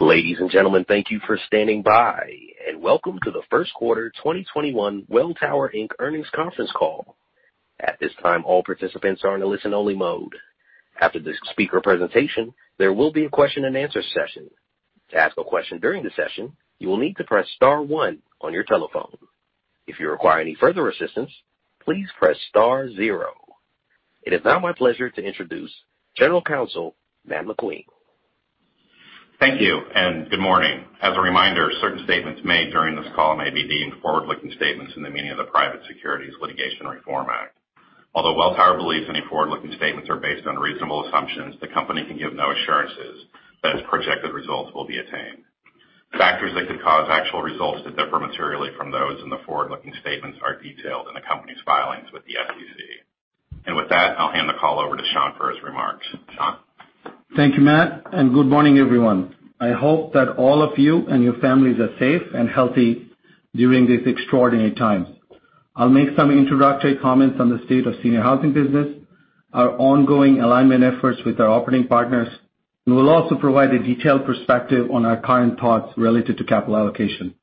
Ladies and gentlemen, thank you for standing by. Welcome to the first quarter 2021 Welltower Inc. earnings conference call. At this time, all participants are in a listen-only mode. After the speaker presentation, there will be a question and answer session. To ask a question during the session, you will need to press star one on your telephone. If you require any further assistance, please press star zero. It is now my pleasure to introduce General Counsel, Matt McQueen. Thank you, good morning. As a reminder, certain statements made during this call may be deemed forward-looking statements in the meaning of the Private Securities Litigation Reform Act. Although Welltower believes any forward-looking statements are based on reasonable assumptions, the company can give no assurances that its projected results will be attained. Factors that could cause actual results to differ materially from those in the forward-looking statements are detailed in the company's filings with the SEC. With that, I'll hand the call over to Shankh for his remarks. Shankh. Thank you, Matt. Good morning, everyone. I hope that all of you and your families are safe and healthy during this extraordinary time. I'll make some introductory comments on the state of senior housing business, our ongoing alignment efforts with our operating partners, and will also provide a detailed perspective on our current thoughts related to capital allocation.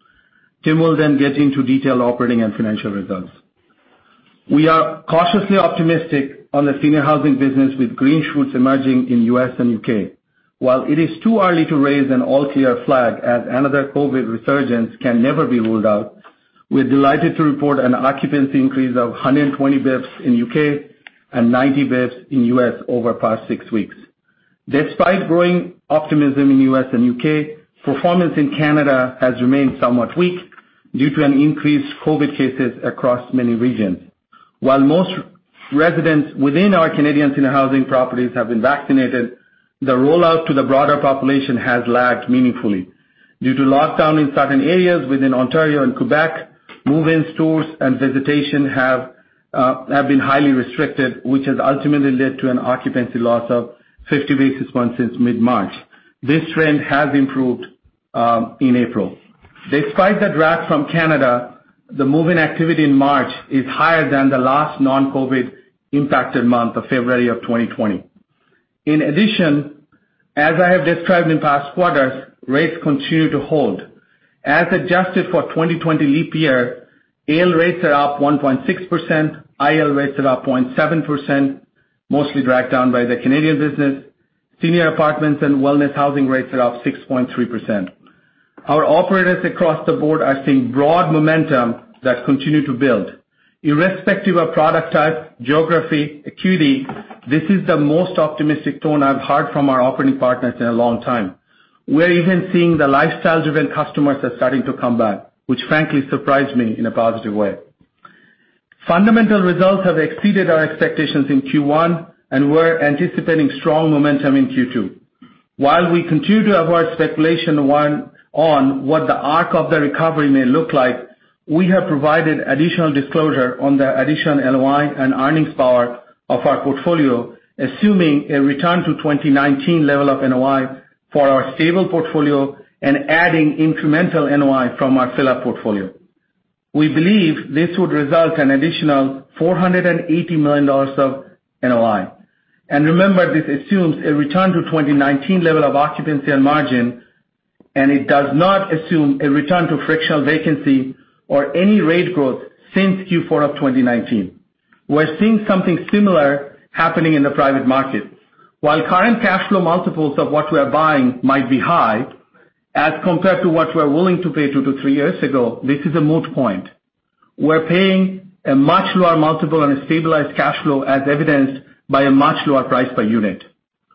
Tim will get into detailed operating and financial results. We are cautiously optimistic on the senior housing business with green shoots emerging in U.S. and U.K. It is too early to raise an all-clear flag as another COVID resurgence can never be ruled out, we're delighted to report an occupancy increase of 120 basis points in U.K. and 90 basis points in U.S. over past six weeks. Despite growing optimism in U.S. and U.K., performance in Canada has remained somewhat weak due to an increased COVID cases across many regions. While most residents within our Canadian senior housing properties have been vaccinated, the rollout to the broader population has lagged meaningfully. Due to lockdown in certain areas within Ontario and Quebec, move-in tours and visitation have been highly restricted, which has ultimately led to an occupancy loss of 50 basis points since mid-March. This trend has improved in April. In addition, despite the drag from Canada, the move-in activity in March is higher than the last non-COVID-impacted month of February of 2020. As I have described in past quarters, rates continue to hold. As adjusted for 2020 leap year, AL rates are up 1.6%, IL rates are up 0.7%, mostly dragged down by the Canadian business. Senior apartments and wellness housing rates are up 6.3%. Our operators across the board are seeing broad momentum that continue to build. Irrespective of product type, geography, acuity, this is the most optimistic tone I've heard from our operating partners in a long time. We're even seeing the lifestyle-driven customers are starting to come back, which frankly surprised me in a positive way. Fundamental results have exceeded our expectations in Q1, and we're anticipating strong momentum in Q2. While we continue to avoid speculation on what the arc of the recovery may look like, we have provided additional disclosure on the additional NOI and earnings power of our portfolio, assuming a return to 2019 level of NOI for our stable portfolio and adding incremental NOI from our fill-up portfolio. We believe this would result in additional $480 million of NOI. Remember, this assumes a return to 2019 level of occupancy and margin, and it does not assume a return to frictional vacancy or any rate growth since Q4 of 2019. We're seeing something similar happening in the private market. While current cash flow multiples of what we are buying might be high as compared to what we're willing to pay 2-3 years ago, this is a moot point. We're paying a much lower multiple on a stabilized cash flow as evidenced by a much lower price per unit.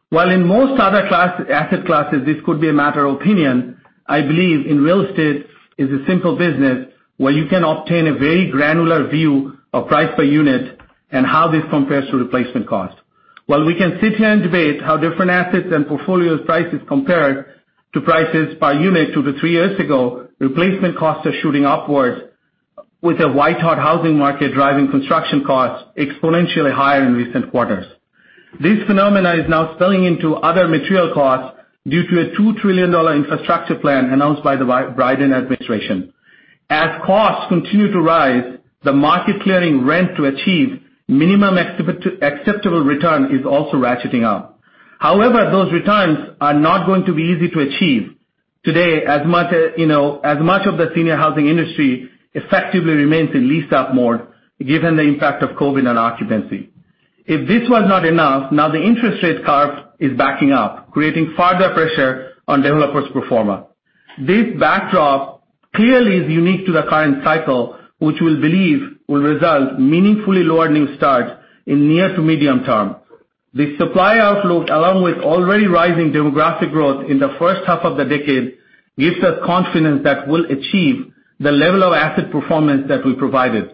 While in most other asset classes, this could be a matter of opinion, I believe in real estate is a simple business where you can obtain a very granular view of price per unit and how this compares to replacement cost. While we can sit here and debate how different assets and portfolios prices compared to prices by unit two-three years ago, replacement costs are shooting upwards with a white-hot housing market driving construction costs exponentially higher in recent quarters. This phenomenon is now spilling into other material costs due to a $2 trillion infrastructure plan announced by the Biden administration. As costs continue to rise, the market clearing rent to achieve minimum acceptable return is also ratcheting up. Those returns are not going to be easy to achieve today as much of the senior housing industry effectively remains in lease-up mode given the impact of COVID on occupancy. If this was not enough, now the interest rate curve is backing up, creating further pressure on developers pro forma. This backdrop clearly is unique to the current cycle, which we believe will result meaningfully lower new starts in near to medium term. The supply outlook, along with already rising demographic growth in the first half of the decade, gives us confidence that we'll achieve the level of asset performance that we provided.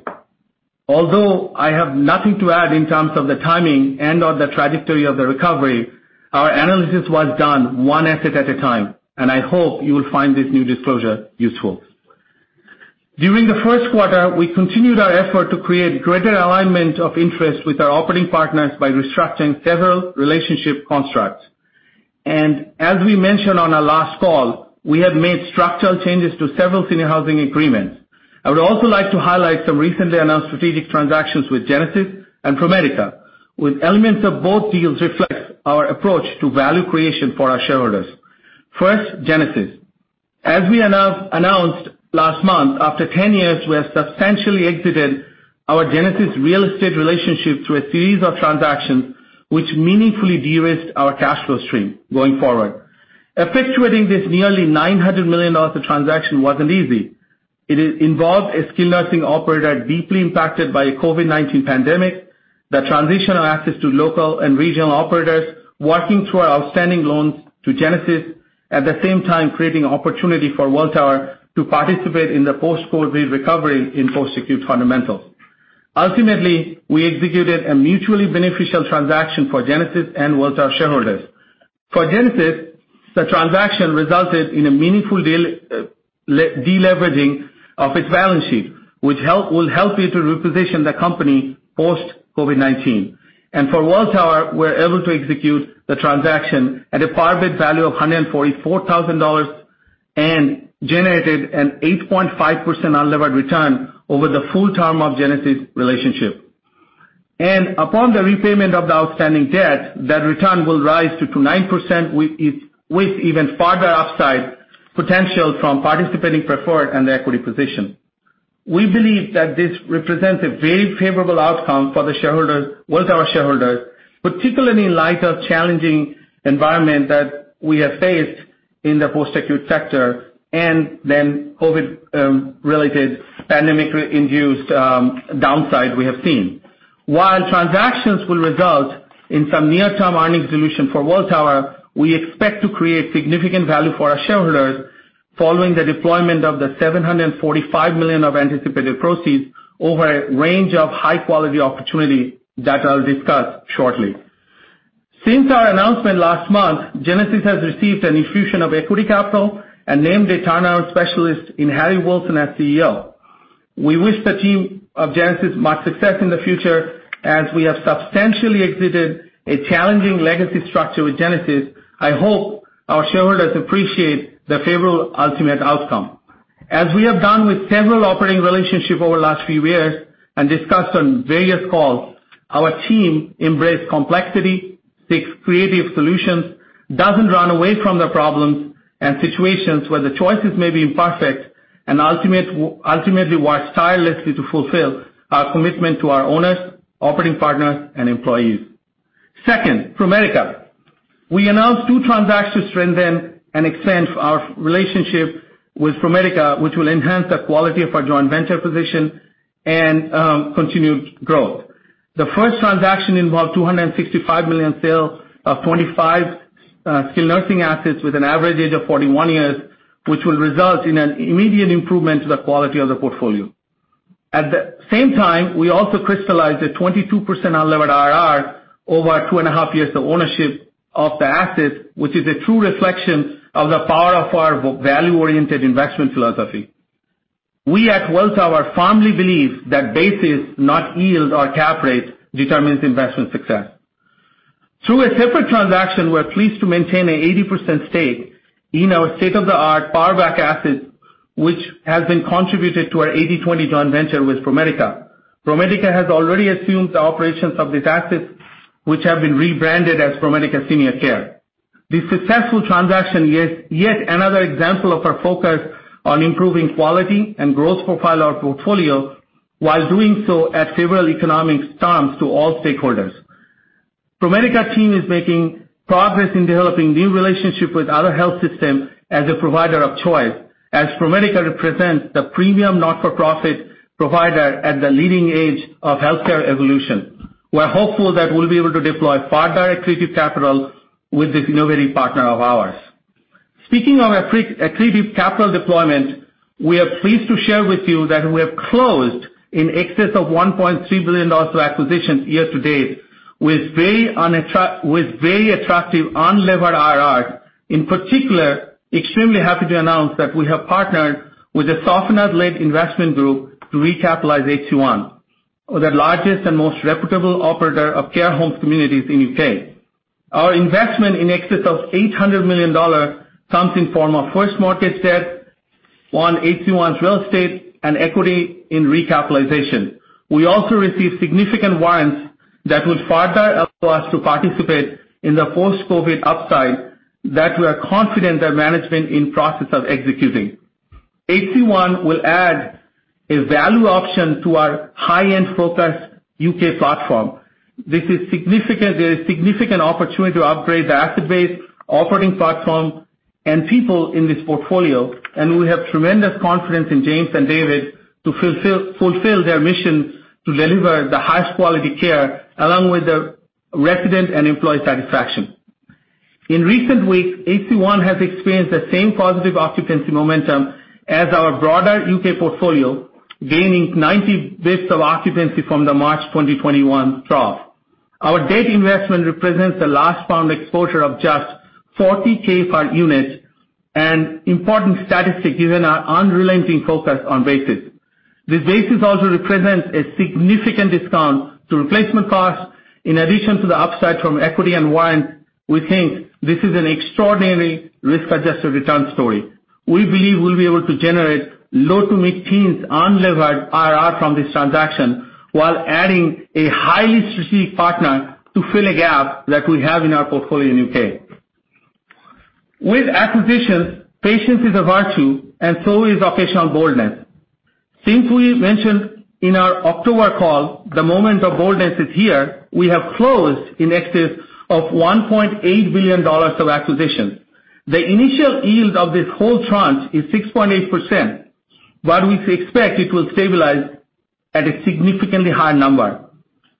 Although I have nothing to add in terms of the timing and or the trajectory of the recovery, our analysis was done one asset at a time, and I hope you will find this new disclosure useful. During the first quarter, we continued our effort to create greater alignment of interest with our operating partners by restructuring several relationship constructs. As we mentioned on our last call, we have made structural changes to several senior housing agreements. I would also like to highlight some recently announced strategic transactions with Genesis and ProMedica, with elements of both deals reflect our approach to value creation for our shareholders. First, Genesis. As we announced last month, after 10 years, we have substantially exited our Genesis real estate relationship through a series of transactions, which meaningfully de-risked our cash flow stream going forward. Effectuating this nearly $900 million of transaction wasn't easy. It involved a skilled nursing operator deeply impacted by COVID-19 pandemic, the transition of assets to local and regional operators, working through our outstanding loans to Genesis, at the same time, creating opportunity for Welltower to participate in the post-COVID recovery in post-acute fundamentals. Ultimately, we executed a mutually beneficial transaction for Genesis and Welltower shareholders. For Genesis, the transaction resulted in a meaningful de-leveraging of its balance sheet, which will help it to reposition the company post-COVID-19. For Welltower, we're able to execute the transaction at a par debt value of $144,000 and generated an 8.5% unlevered return over the full term of Genesis relationship. Upon the repayment of the outstanding debt, that return will rise to 9% with even further upside potential from participating preferred and the equity position. We believe that this represents a very favorable outcome for Welltower shareholders, particularly in light of challenging environment that we have faced in the post-acute sector, and then COVID-related pandemic-induced downside we have seen. While transactions will result in some near-term earnings dilution for Welltower, we expect to create significant value for our shareholders following the deployment of the $745 million of anticipated proceeds over a range of high-quality opportunity that I'll discuss shortly. Since our announcement last month, Genesis has received an infusion of equity capital and named a turnaround specialist in Harry Wilson as CEO. We wish the team of Genesis much success in the future. As we have substantially exited a challenging legacy structure with Genesis, I hope our shareholders appreciate the favorable ultimate outcome. As we have done with several operating relationship over the last few years and discussed on various calls, our team embrace complexity, seeks creative solutions, doesn't run away from the problems and situations where the choices may be imperfect, and ultimately work tirelessly to fulfill our commitment to our owners, operating partners, and employees. Second, ProMedica. We announced two transactions to strengthen and extend our relationship with ProMedica, which will enhance the quality of our joint venture position and continued growth. The first transaction involved a $265 million sale of 25 skilled nursing assets with an average age of 41 years, which will result in an immediate improvement to the quality of the portfolio. At the same time, we also crystallized a 22% unlevered IRR over two and a half years of ownership of the assets, which is a true reflection of the power of our value-oriented investment philosophy. We at Welltower firmly believe that basis, not yield or cap rate, determines investment success. Through a separate transaction, we're pleased to maintain an 80% stake in our state-of-the-art PowerBack assets, which has been contributed to our 80/20 joint venture with ProMedica. ProMedica has already assumed the operations of these assets, which have been rebranded as ProMedica Senior Care. This successful transaction is yet another example of our focus on improving quality and growth profile of our portfolio, while doing so at favorable economic terms to all stakeholders. ProMedica team is making progress in developing new relationship with other health system as a provider of choice, as ProMedica represents the premium not-for-profit provider at the leading edge of healthcare evolution. We're hopeful that we'll be able to deploy further accretive capital with this innovative partner of ours. Speaking of accretive capital deployment, we are pleased to share with you that we have closed in excess of $1.3 billion of acquisitions year to date with very attractive unlevered IRRs. In particular, extremely happy to announce that we have partnered with the Safanad-led investment group to recapitalize HC-One, the largest and most reputable operator of care homes communities in U.K. Our investment in excess of $800 million comes in form of first mortgage debt on HC-One's real estate and equity in recapitalization. We also received significant warrants that would further allow us to participate in the post-COVID upside that we are confident their management in process of executing. HC-One will add a value option to our high-end focused U.K. platform. There is significant opportunity to upgrade the asset base, operating platform, and people in this portfolio, and we have tremendous confidence in James and David to fulfill their mission to deliver the highest quality care, along with the resident and employee satisfaction. In recent weeks, HC-One has experienced the same positive occupancy momentum as our broader U.K. portfolio, gaining 90 basis points of occupancy from the March 2021 trough. Our debt investment represents the largest pound exposure of just 40,000 per unit, an important statistic given our unrelenting focus on basis. This basis also represents a significant discount to replacement costs, in addition to the upside from equity and warrants. We think this is an extraordinary risk-adjusted return story. We believe we'll be able to generate low to mid-teens unlevered IRR from this transaction while adding a highly strategic partner to fill a gap that we have in our portfolio in U.K. With acquisitions, patience is a virtue, and so is occasional boldness. Since we mentioned in our October call, the moment of boldness is here, we have closed in excess of $1.8 billion of acquisitions. The initial yield of this whole tranche is 6.8%, but we expect it will stabilize at a significantly higher number.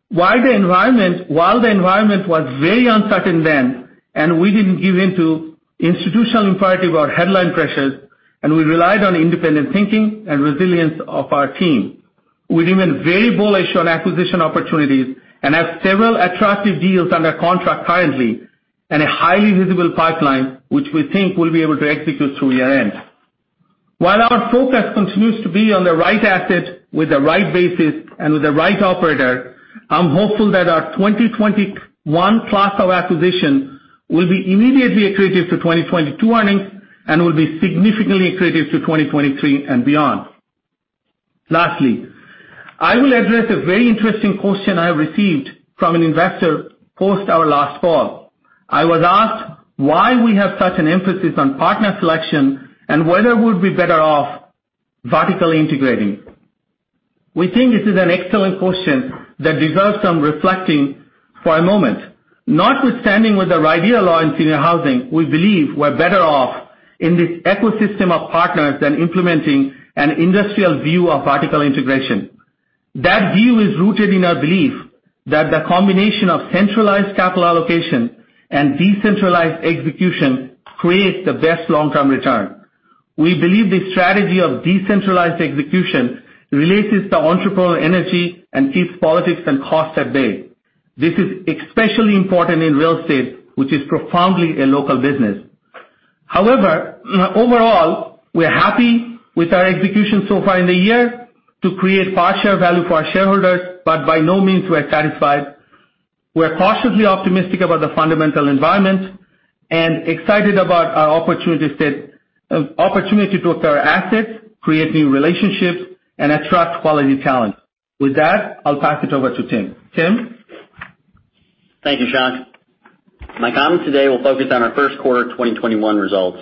While the environment was very uncertain then and we didn't give in to institutional imperative or headline pressures, and we relied on independent thinking and resilience of our team. We remain very bullish on acquisition opportunities and have several attractive deals under contract currently and a highly visible pipeline, which we think we'll be able to execute through year-end. While our focus continues to be on the right asset with the right basis and with the right operator, I'm hopeful that our 2021 class of acquisition will be immediately accretive to 2022 earnings and will be significantly accretive to 2023 and beyond. Lastly, I will address a very interesting question I received from an investor post our last call. I was asked why we have such an emphasis on partner selection and whether we'd be better off vertically integrating. We think this is an excellent question that deserves some reflecting for a moment. Notwithstanding with the RIDEA in senior housing, we believe we're better off in this ecosystem of partners than implementing an industrial view of vertical integration. That view is rooted in our belief that the combination of centralized capital allocation and decentralized execution creates the best long-term return. We believe this strategy of decentralized execution releases the entrepreneurial energy and keeps politics and costs at bay. This is especially important in real estate, which is profoundly a local business. Overall, we're happy with our execution so far in the year to create partial value for our shareholders. By no means, we are satisfied. We are cautiously optimistic about the fundamental environment and excited about our opportunity to acquire assets, create new relationships, and attract quality talent. With that, I'll pass it over to Tim. Tim? Thank you, Shankh. My comments today will focus on our first quarter 2021 results,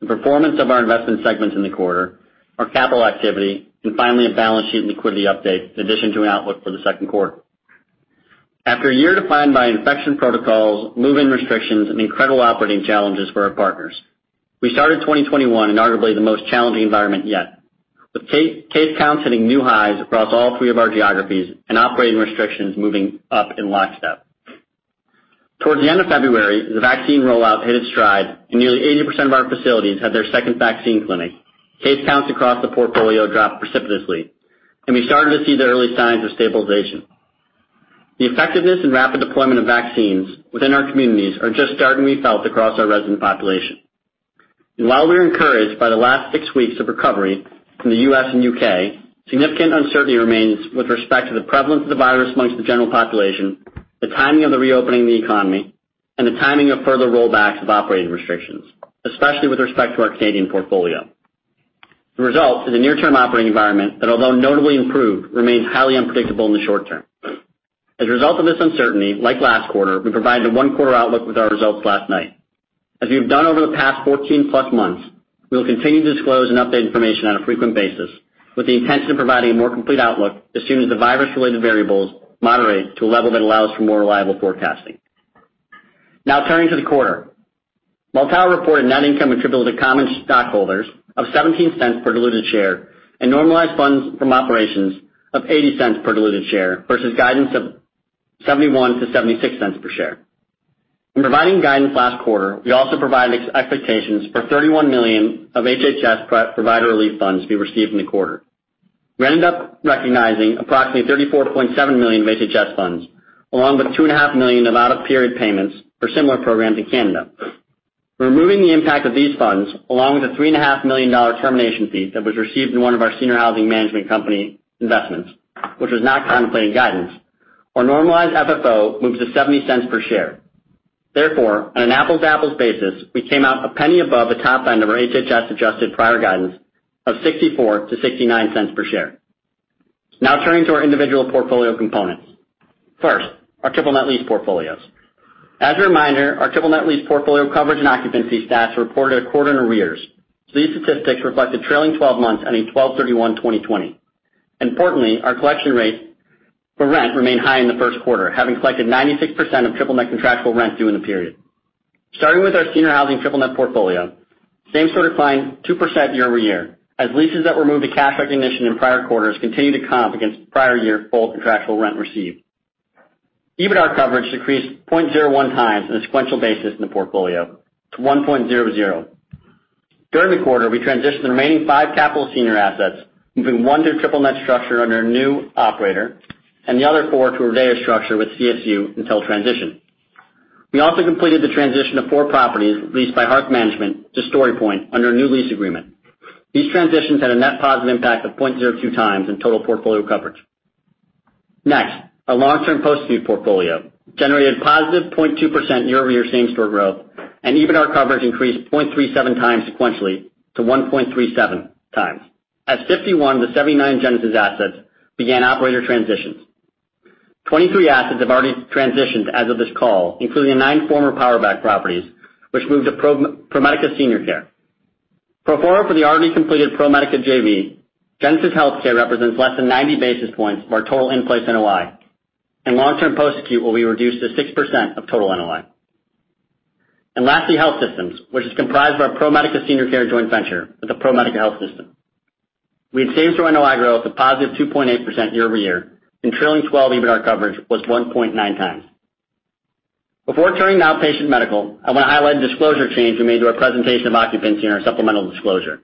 the performance of our investment segments in the quarter, our capital activity, and finally, a balance sheet and liquidity update in addition to an outlook for the second quarter. After a year defined by infection protocols, move-in restrictions, and incredible operating challenges for our partners, we started 2021 in arguably the most challenging environment yet. With case counts hitting new highs across all three of our geographies and operating restrictions moving up in lockstep. Towards the end of February, the vaccine rollout hit its stride and nearly 80% of our facilities had their second vaccine clinic. Case counts across the portfolio dropped precipitously, and we started to see the early signs of stabilization. The effectiveness and rapid deployment of vaccines within our communities are just starting to be felt across our resident population. While we are encouraged by the last six weeks of recovery from the U.S. and U.K., significant uncertainty remains with respect to the prevalence of the virus amongst the general population, the timing of the reopening of the economy, and the timing of further rollbacks of operating restrictions, especially with respect to our Canadian portfolio. The result is a near-term operating environment that, although notably improved, remains highly unpredictable in the short term. As a result of this uncertainty, like last quarter, we provided a one-quarter outlook with our results last night. As we have done over the past 14-plus months, we will continue to disclose and update information on a frequent basis with the intention of providing a more complete outlook as soon as the virus-related variables moderate to a level that allows for more reliable forecasting. Now, turning to the quarter. Welltower reported net income attributable to common stockholders of $0.17 per diluted share and normalized funds from operations of $0.80 per diluted share versus guidance of $0.71-$0.76 per share. In providing guidance last quarter, we also provided expectations for $31 million of HHS provider relief funds to be received in the quarter. We ended up recognizing approximately $34.7 million of HHS funds, along with $2.5 million of out-of-period payments for similar programs in Canada. Removing the impact of these funds, along with a $3.5 million termination fee that was received in one of our senior housing management company investments, which was not contemplated in guidance, our normalized FFO moves to $0.70 per share. On an apples-to-apples basis, we came out a $0.01 above the top end of our HHS-adjusted prior guidance of $0.64-$0.69 per share. Now, turning to our individual portfolio components. First, our triple net lease portfolios. As a reminder, our triple net lease portfolio coverage and occupancy stats are reported a quarter in arrears. These statistics reflect the trailing 12 months ending 12/31/2020. Importantly, our collection rates for rent remained high in the first quarter, having collected 96% of triple net contractual rent due in the period. Starting with our senior housing triple net portfolio, same store declined 2% year-over-year as leases that were moved to cash recognition in prior quarters continue to comp against prior year full contractual rent received. EBITDAR coverage decreased 0.01x in a sequential basis in the portfolio to 1.00x. During the quarter, we transitioned the remaining five Capital Senior assets, moving one to a triple net structure under a new operator and the other four to a REO structure with CSU until transition. We also completed the transition of four properties leased by Hearth Management to StoryPoint under a new lease agreement. These transitions had a net positive impact of 0.02x in total portfolio coverage. Our long-term post-acute portfolio generated positive 0.2% year-over-year same-store growth and EBITDAR coverage increased 0.37x sequentially to 1.37x, as 51 of the 79 Genesis assets began operator transitions. 23 assets have already transitioned as of this call, including nine former PowerBack properties, which moved to ProMedica Senior Care. Pro forma for the already completed ProMedica JV, Genesis HealthCare represents less than 90 basis points of our total in-place NOI, and long-term post-acute will be reduced to 6% of total NOI. Lastly, Health Systems, which is comprised of our ProMedica Senior Care joint venture with the ProMedica Health System. We had same-store NOI growth of positive 2.8% year-over-year and trailing 12 EBITDAR coverage was 1.9x. Before turning to outpatient medical, I want to highlight a disclosure change we made to our presentation of occupancy in our supplemental disclosure.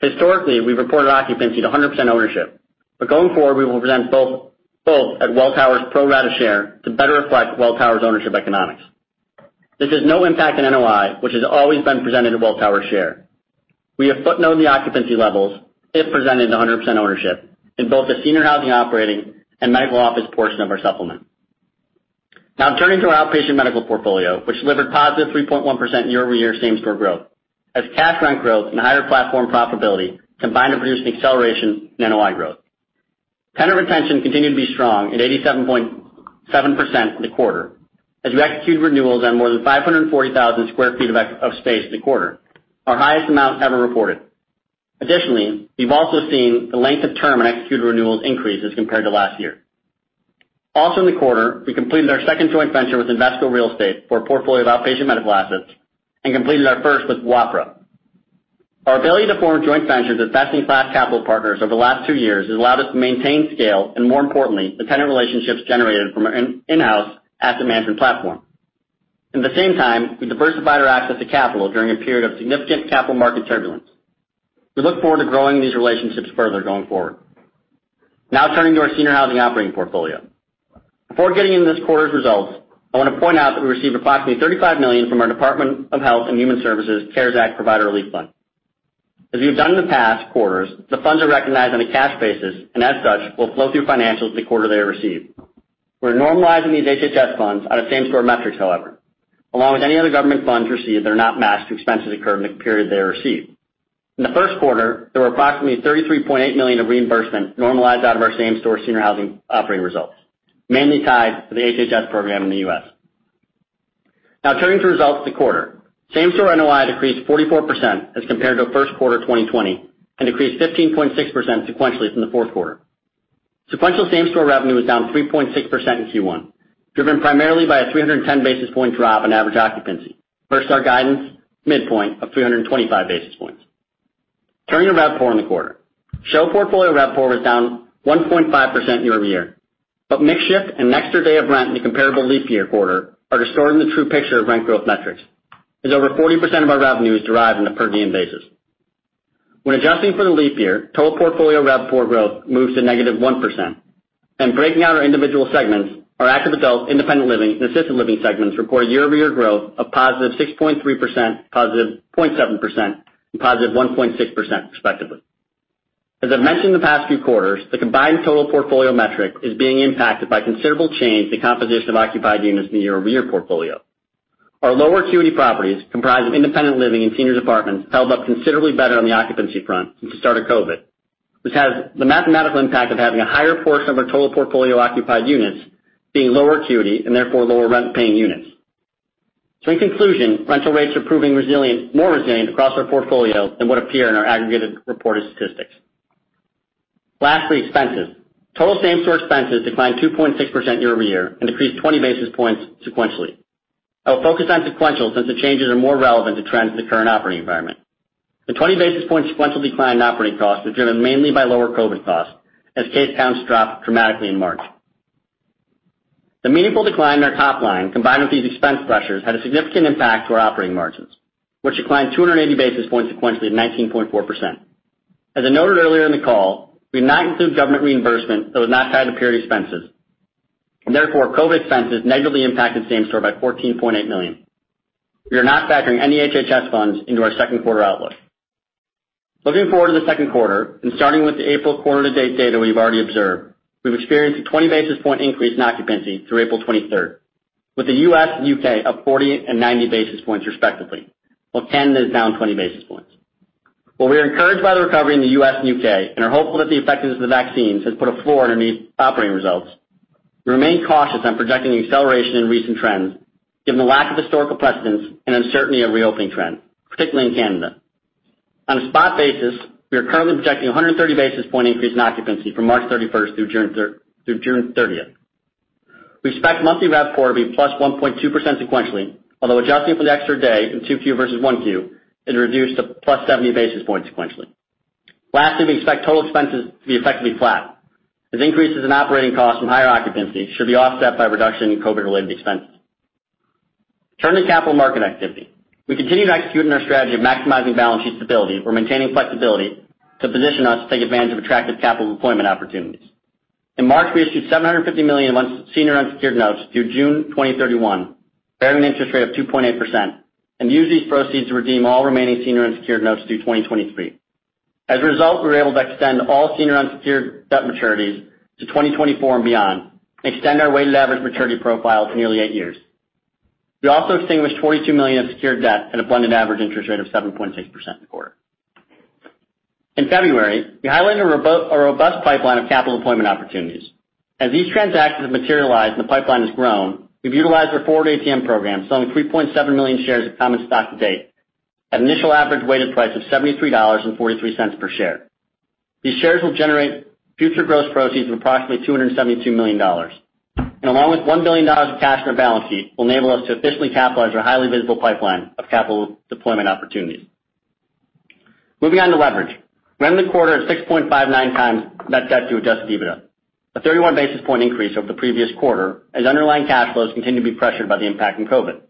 Historically, we've reported occupancy at 100% ownership, but going forward, we will present both at Welltower's pro rata share to better reflect Welltower's ownership economics. This has no impact on NOI, which has always been presented at Welltower's share. We have footnoted the occupancy levels, if presented at 100% ownership, in both the senior housing operating and medical office portion of our supplement. Now, turning to our outpatient medical portfolio, which delivered positive 3.1% year-over-year same-store growth as cash rent growth and higher platform profitability combined to produce an acceleration in NOI growth. Tenant retention continued to be strong at 87.7% in the quarter as we executed renewals on more than 540,000 square feet of space in the quarter, our highest amount ever reported. Additionally, we've also seen the length of term on executed renewals increase as compared to last year. Also in the quarter, we completed our second joint venture with Invesco Real Estate for a portfolio of outpatient medical assets and completed our first with Wafra. Our ability to form joint ventures with best-in-class capital partners over the last two years has allowed us to maintain scale and more importantly, the tenant relationships generated from our in-house asset management platform. In the same time, we diversified our access to capital during a period of significant capital market turbulence. We look forward to growing these relationships further going forward. Now turning to our senior housing operating portfolio. Before getting into this quarter's results, I want to point out that we received approximately $35 million from our Department of Health and Human Services' CARES Act Provider Relief Fund. As we have done in the past quarters, the funds are recognized on a cash basis, and as such, will flow through financials the quarter they are received. We're normalizing these HHS funds on a same-store metrics, however, along with any other government funds received that are not matched to expenses incurred in the period they are received. In the first quarter, there were approximately $33.8 million of reimbursement normalized out of our same-store senior housing operating results, mainly tied to the HHS program in the U.S. Turning to results for the quarter. Same-store NOI decreased 44% as compared to first quarter 2020 and decreased 15.6% sequentially from the fourth quarter. Sequential same-store revenue was down 3.6% in Q1, driven primarily by a 310 basis point drop in average occupancy versus our guidance midpoint of 325 basis points. Turning to RevPAR in the quarter. SHO portfolio RevPAR was down 1.5% year-over-year, but mix shift and an extra day of rent in the comparable leap year quarter are distorting the true picture of rent growth metrics, as over 40% of our revenue is derived on a per diem basis. When adjusting for the leap year, total portfolio RevPAR growth moves to -1%, and breaking out our individual segments, our active adult, independent living, and assisted living segments reported year-over-year growth of positive 6.3%, positive 0.7%, and positive 1.6%, respectively. As I've mentioned the past few quarters, the combined total portfolio metric is being impacted by considerable change in the composition of occupied units in the year-over-year portfolio. Our lower acuity properties, comprised of Independent Living and seniors apartments, held up considerably better on the occupancy front since the start of COVID. This has the mathematical impact of having a higher portion of our total portfolio occupied units being lower acuity and therefore lower rent-paying units. In conclusion, rental rates are proving more resilient across our portfolio than would appear in our aggregated reported statistics. Lastly, expenses. Total same-store expenses declined 2.6% year-over-year and decreased 20 basis points sequentially. I will focus on sequential since the changes are more relevant to trends in the current operating environment. The 20 basis point sequential decline in operating costs was driven mainly by lower COVID costs as case counts dropped dramatically in March. The meaningful decline in our top line combined with these expense pressures had a significant impact to our operating margins, which declined 280 basis points sequentially to 19.4%. As I noted earlier in the call, we did not include government reimbursement that was not tied to the period expenses, and therefore, COVID expenses negatively impacted same store by $14.8 million. We are not factoring any HHS funds into our second quarter outlook. Looking forward to the second quarter and starting with the April quarter-to-date data we've already observed, we've experienced a 20-basis point increase in occupancy through April 23rd, with the U.S. and U.K. up 40 and 90 basis points, respectively, while Canada is down 20 basis points. While we are encouraged by the recovery in the U.S. and U.K. and are hopeful that the effectiveness of the vaccines has put a floor underneath operating results, we remain cautious on projecting acceleration in recent trends given the lack of historical precedence and uncertainty of reopening trends, particularly in Canada. On a spot basis, we are currently projecting a 130-basis point increase in occupancy from March 31st through June 30th. We expect monthly RevPAR to be +1.2% sequentially, although adjusting for the extra day in 2Q versus 1Q is reduced to +70 basis points sequentially. Lastly, we expect total expenses to be effectively flat, as increases in operating costs from higher occupancy should be offset by a reduction in COVID-related expenses. Turning to capital market activity. We continue to execute on our strategy of maximizing balance sheet stability or maintaining flexibility to position us to take advantage of attractive capital deployment opportunities. In March, we issued $750 million in senior unsecured notes through June 2031, bearing an interest rate of 2.8%, and used these proceeds to redeem all remaining senior unsecured notes due 2023. As a result, we were able to extend all senior unsecured debt maturities to 2024 and beyond and extend our weighted average maturity profile to nearly eight years. We also extinguished $42 million of secured debt at a blended average interest rate of 7.6% in the quarter. In February, we highlighted a robust pipeline of capital deployment opportunities. As these transactions have materialized and the pipeline has grown, we've utilized our forward ATM program, selling 3.7 million shares of common stock to date at an initial average weighted price of $73.43 per share. These shares will generate future gross proceeds of approximately $272 million. Along with $1 billion of cash on our balance sheet, will enable us to efficiently capitalize our highly visible pipeline of capital deployment opportunities. Moving on to leverage. We ended the quarter at 6.59x net debt to adjusted EBITDA, a 31 basis point increase over the previous quarter, as underlying cash flows continue to be pressured by the impact from COVID.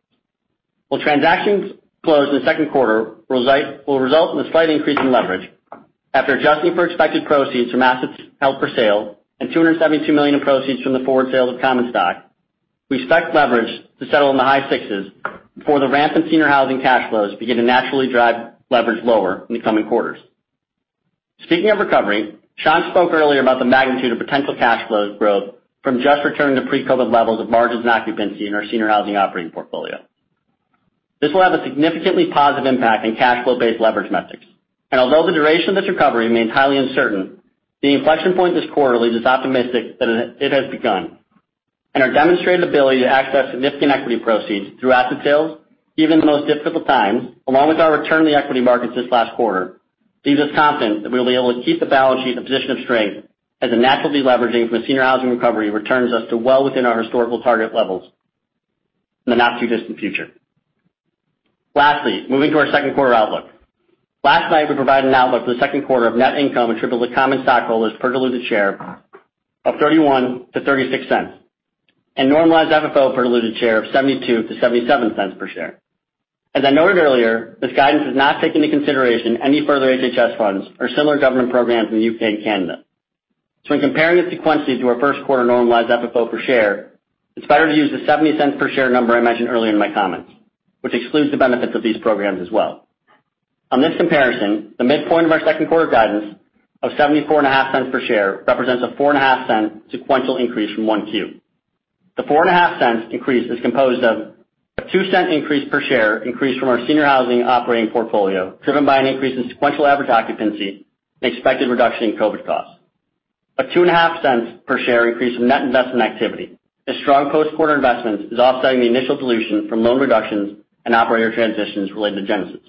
While transactions closed in the second quarter will result in a slight increase in leverage after adjusting for expected proceeds from assets held for sale and $272 million in proceeds from the forward sale of common stock, we expect leverage to settle in the high sixes before the ramp in senior housing cash flows begin to naturally drive leverage lower in the coming quarters. Speaking of recovery, Shankh spoke earlier about the magnitude of potential cash flow growth from just returning to pre-COVID levels of margins and occupancy in our senior housing operating portfolio. This will have a significantly positive impact on cash flow-based leverage metrics. Although the duration of this recovery remains highly uncertain, the inflection point this quarter leaves us optimistic that it has begun. Our demonstrated ability to access significant equity proceeds through asset sales, even in the most difficult times, along with our return to the equity markets this last quarter, leaves us confident that we'll be able to keep the balance sheet in a position of strength as the natural deleveraging from the senior housing recovery returns us to well within our historical target levels in the not too distant future. Lastly, moving to our second quarter outlook. Last night, we provided an outlook for the 2Q of net income attributable to common stockholders per diluted share of $0.31-$0.36 and normalized FFO per diluted share of $0.72-$0.77 per share. As I noted earlier, this guidance does not take into consideration any further HHS funds or similar government programs in the U.K. and Canada. When comparing it sequentially to our 1Q normalized FFO per share, it's better to use the $0.70 per share number I mentioned earlier in my comments, which excludes the benefits of these programs as well. On this comparison, the midpoint of our 2Q guidance of $0.745 per share represents a $0.045 sequential increase from 1Q. The $0.045 increase is composed of a $0.02 increase per share increase from our Senior Housing Operating Portfolio, driven by an increase in sequential average occupancy and expected reduction in COVID-19 costs. A $0.025 per share increase in net investment activity as strong post-quarter investments is offsetting the initial dilution from loan reductions and operator transitions related to Genesis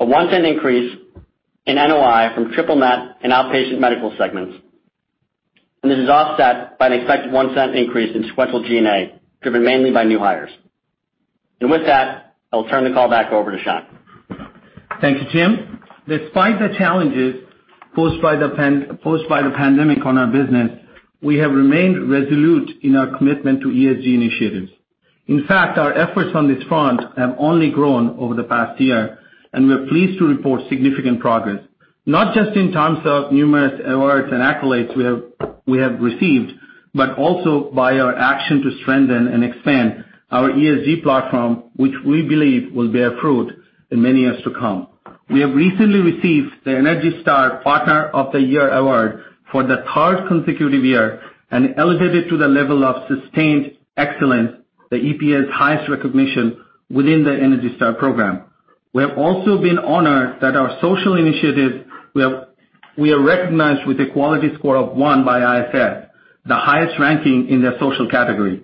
HealthCare. A $0.01 increase in NOI from triple net and outpatient medical segments, this is offset by an expected $0.01 increase in sequential G&A, driven mainly by new hires. With that, I'll turn the call back over to Shankh. Thank you, Tim. Despite the challenges posed by the pandemic on our business, we have remained resolute in our commitment to ESG initiatives. In fact, our efforts on this front have only grown over the past year, and we're pleased to report significant progress, not just in terms of numerous awards and accolades we have received, but also by our action to strengthen and expand our ESG platform, which we believe will bear fruit in many years to come. We have recently received the ENERGY STAR Partner of the Year award for the third consecutive year and elevated to the level of Sustained Excellence, the EPA's highest recognition within the ENERGY STAR program. We have also been honored that our social initiatives, we are recognized with a quality score of 1 by ISS, the highest ranking in their social category.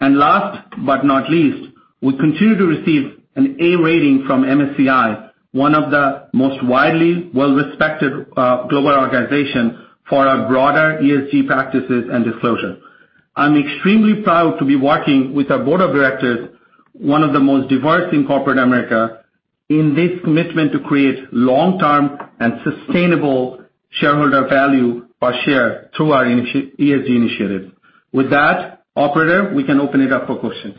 Last but not least, we continue to receive an A rating from MSCI, one of the most widely well-respected global organization for our broader ESG practices and disclosure. I'm extremely proud to be working with our board of directors, one of the most diverse in corporate America, in this commitment to create long-term and sustainable shareholder value per share through our ESG initiatives. With that, operator, we can open it up for questions.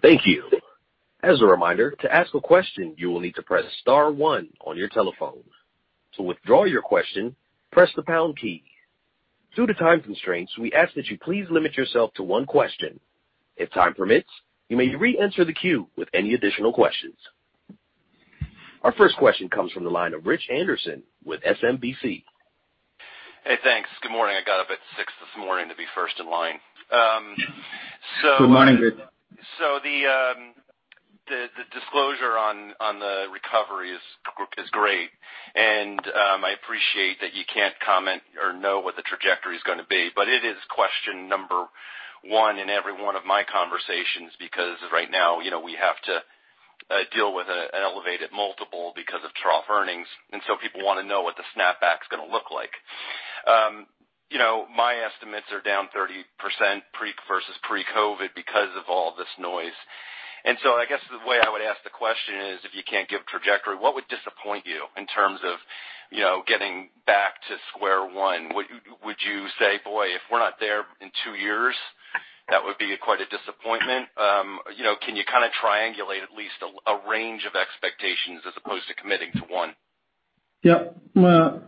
Thank you. As a reminder, to ask a question, you will need to press star one on your telephone. To withdraw your question, press the pound key. Due to time constraints, we ask that you please limit yourself to one question. If time permits, you may re-enter the queue with any additional questions. Our first question comes from the line of Rich Anderson with SMBC. Hey, thanks. Good morning. I got up at 6:00 A.M. this morning to be first in line. Good morning, Rich. The disclosure on the recovery is great. I appreciate that you can't comment or know what the trajectory is going to be, it is question number one in every one of my conversations because right now, we have to deal with an elevated multiple because of trough earnings, people want to know what the snapback's going to look like. My estimates are down 30% versus pre-COVID-19 because of all this noise. I guess the way I would ask the question is, if you can't give trajectory, what would disappoint you in terms of getting back to square one? Would you say, boy, if we're not there in two years, that would be quite a disappointment? Can you kind of triangulate at least a range of expectations as opposed to committing to one? Yeah.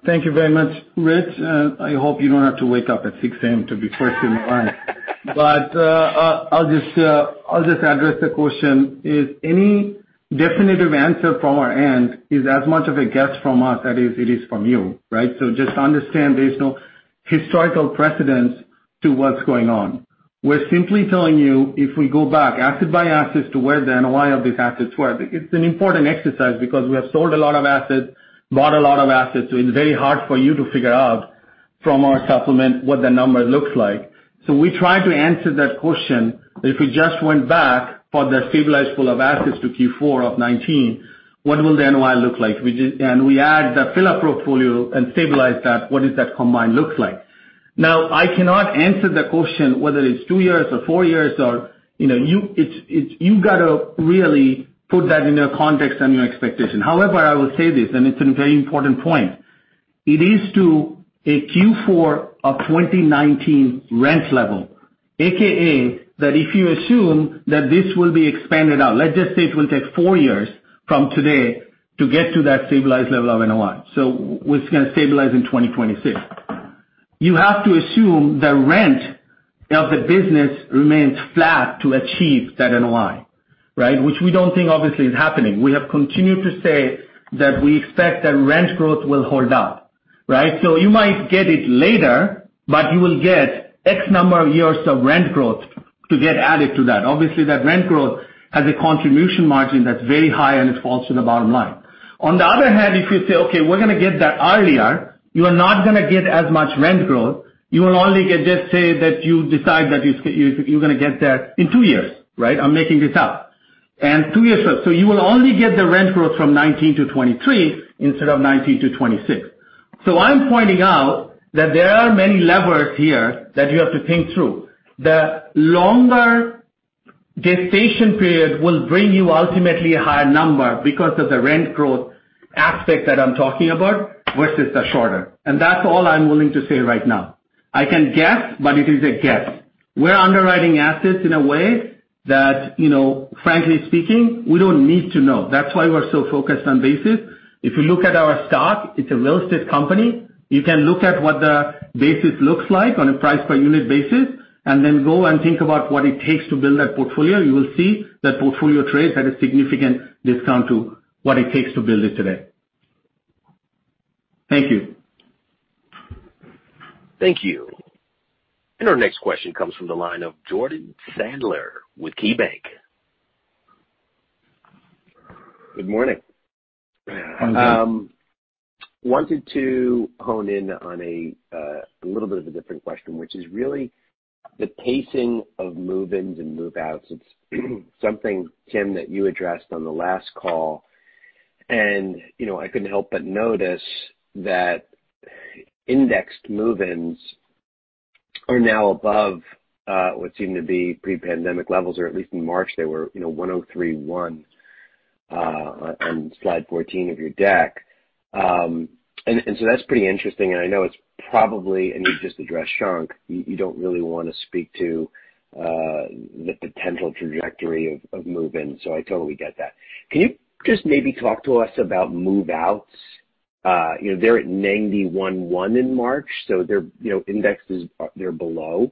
Thank you very much, Rich. I hope you don't have to wake up at 6:00 A.M. to be first in line. I'll just address the question is any definitive answer from our end is as much of a guess from us that is it is from you, right? Just understand there's no historical precedence to what's going on. We're simply telling you if we go back asset by asset to where the NOI of these assets were. It's an important exercise because we have sold a lot of assets, bought a lot of assets. It's very hard for you to figure out from our supplement what the number looks like. We try to answer that question if we just went back for the stabilized pool of assets to Q4 of 2019, what will the NOI look like? We add the fill-up portfolio and stabilize that. What is that combined look like? I cannot answer the question whether it's two years or four years. You've got to really put that in your context and your expectation. However, I will say this, and it's a very important point. It is to a Q4 of 2019 rent level, AKA that if you assume that this will be expanded out, let's just say it will take four years from today to get to that stabilized level of NOI. It's going to stabilize in 2026. You have to assume the rent of the business remains flat to achieve that NOI, right? Which we don't think obviously is happening. We have continued to say that we expect that rent growth will hold up, right? You might get it later, but you will get X number of years of rent growth to get added to that. Obviously, that rent growth has a contribution margin that's very high, and it falls to the bottom line. On the other hand, if you say, okay, we're going to get that earlier, you are not going to get as much rent growth. You will only get, let's say that you decide that you're going to get that in two years, right? I'm making this up. two years or so. You will only get the rent growth from 2019-2023 instead of 2019-2026. I'm pointing out that there are many levers here that you have to think through. The longer gestation period will bring you ultimately a higher number because of the rent growth aspect that I'm talking about versus the shorter. That's all I'm willing to say right now. I can guess, but it is a guess. We're underwriting assets in a way that frankly speaking, we don't need to know. That's why we're so focused on basis. If you look at our stock, it's a real estate company. You can look at what the basis looks like on a price per unit basis, and then go and think about what it takes to build that portfolio. You will see that portfolio trades at a significant discount to what it takes to build it today. Thank you. Thank you. Our next question comes from the line of Jordan Sadler with KeyBanc. Good morning. Good morning. Wanted to hone in on a little bit of a different question, which is really the pacing of move-ins and move-outs. It's something, Tim, that you addressed on the last call, and I couldn't help but notice that indexed move-ins are now above what seemed to be pre-pandemic levels, or at least in March they were 103.1 on slide 14 of your deck. That's pretty interesting, and I know it's probably, and you just addressed, Shankh, you don't really want to speak to the potential trajectory of move-ins. I totally get that. Can you just maybe talk to us about move-outs? They're at 91.1 in March, so their indexes, they're below.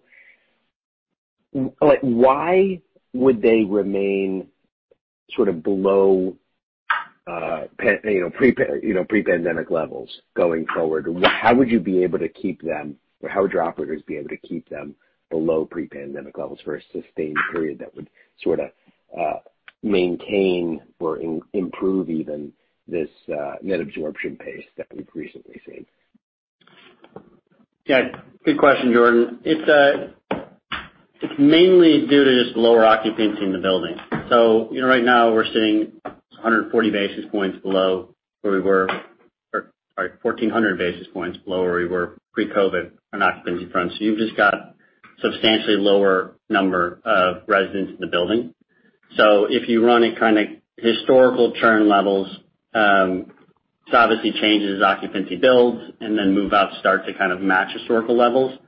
Why would they remain sort of below pre-pandemic levels going forward? How would your operators be able to keep them below pre-pandemic levels for a sustained period that would sort of maintain or improve even this net absorption pace that we've recently seen? Yeah. Good question, Jordan. It's mainly due to just lower occupancy in the building. Right now we're sitting 1,400 basis points below where we were pre-COVID on occupancy front. You've just got substantially lower number of residents in the building. If you run a kind of historical churn levels, this obviously changes occupancy builds and then move-outs start to kind of match historical levels.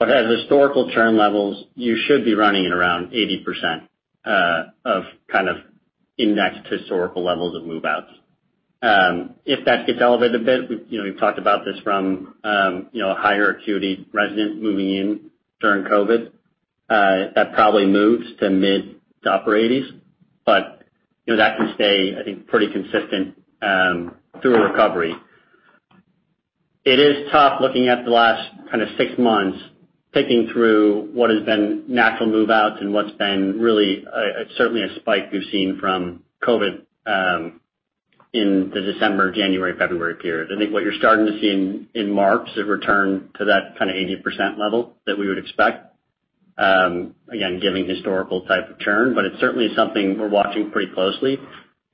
As historical churn levels, you should be running at around 80% of kind of indexed historical levels of move-outs. If that gets elevated a bit, we've talked about this from a higher acuity resident moving in during COVID. That probably moves to mid to upper 80s, but that can stay, I think, pretty consistent through a recovery. It is tough looking at the last kind of six months, picking through what has been natural move-outs and what's been really certainly a spike we've seen from COVID in the December, January, February period. I think what you're starting to see in March is a return to that kind of 80% level that we would expect, again, giving historical type of churn. It's certainly something we're watching pretty closely.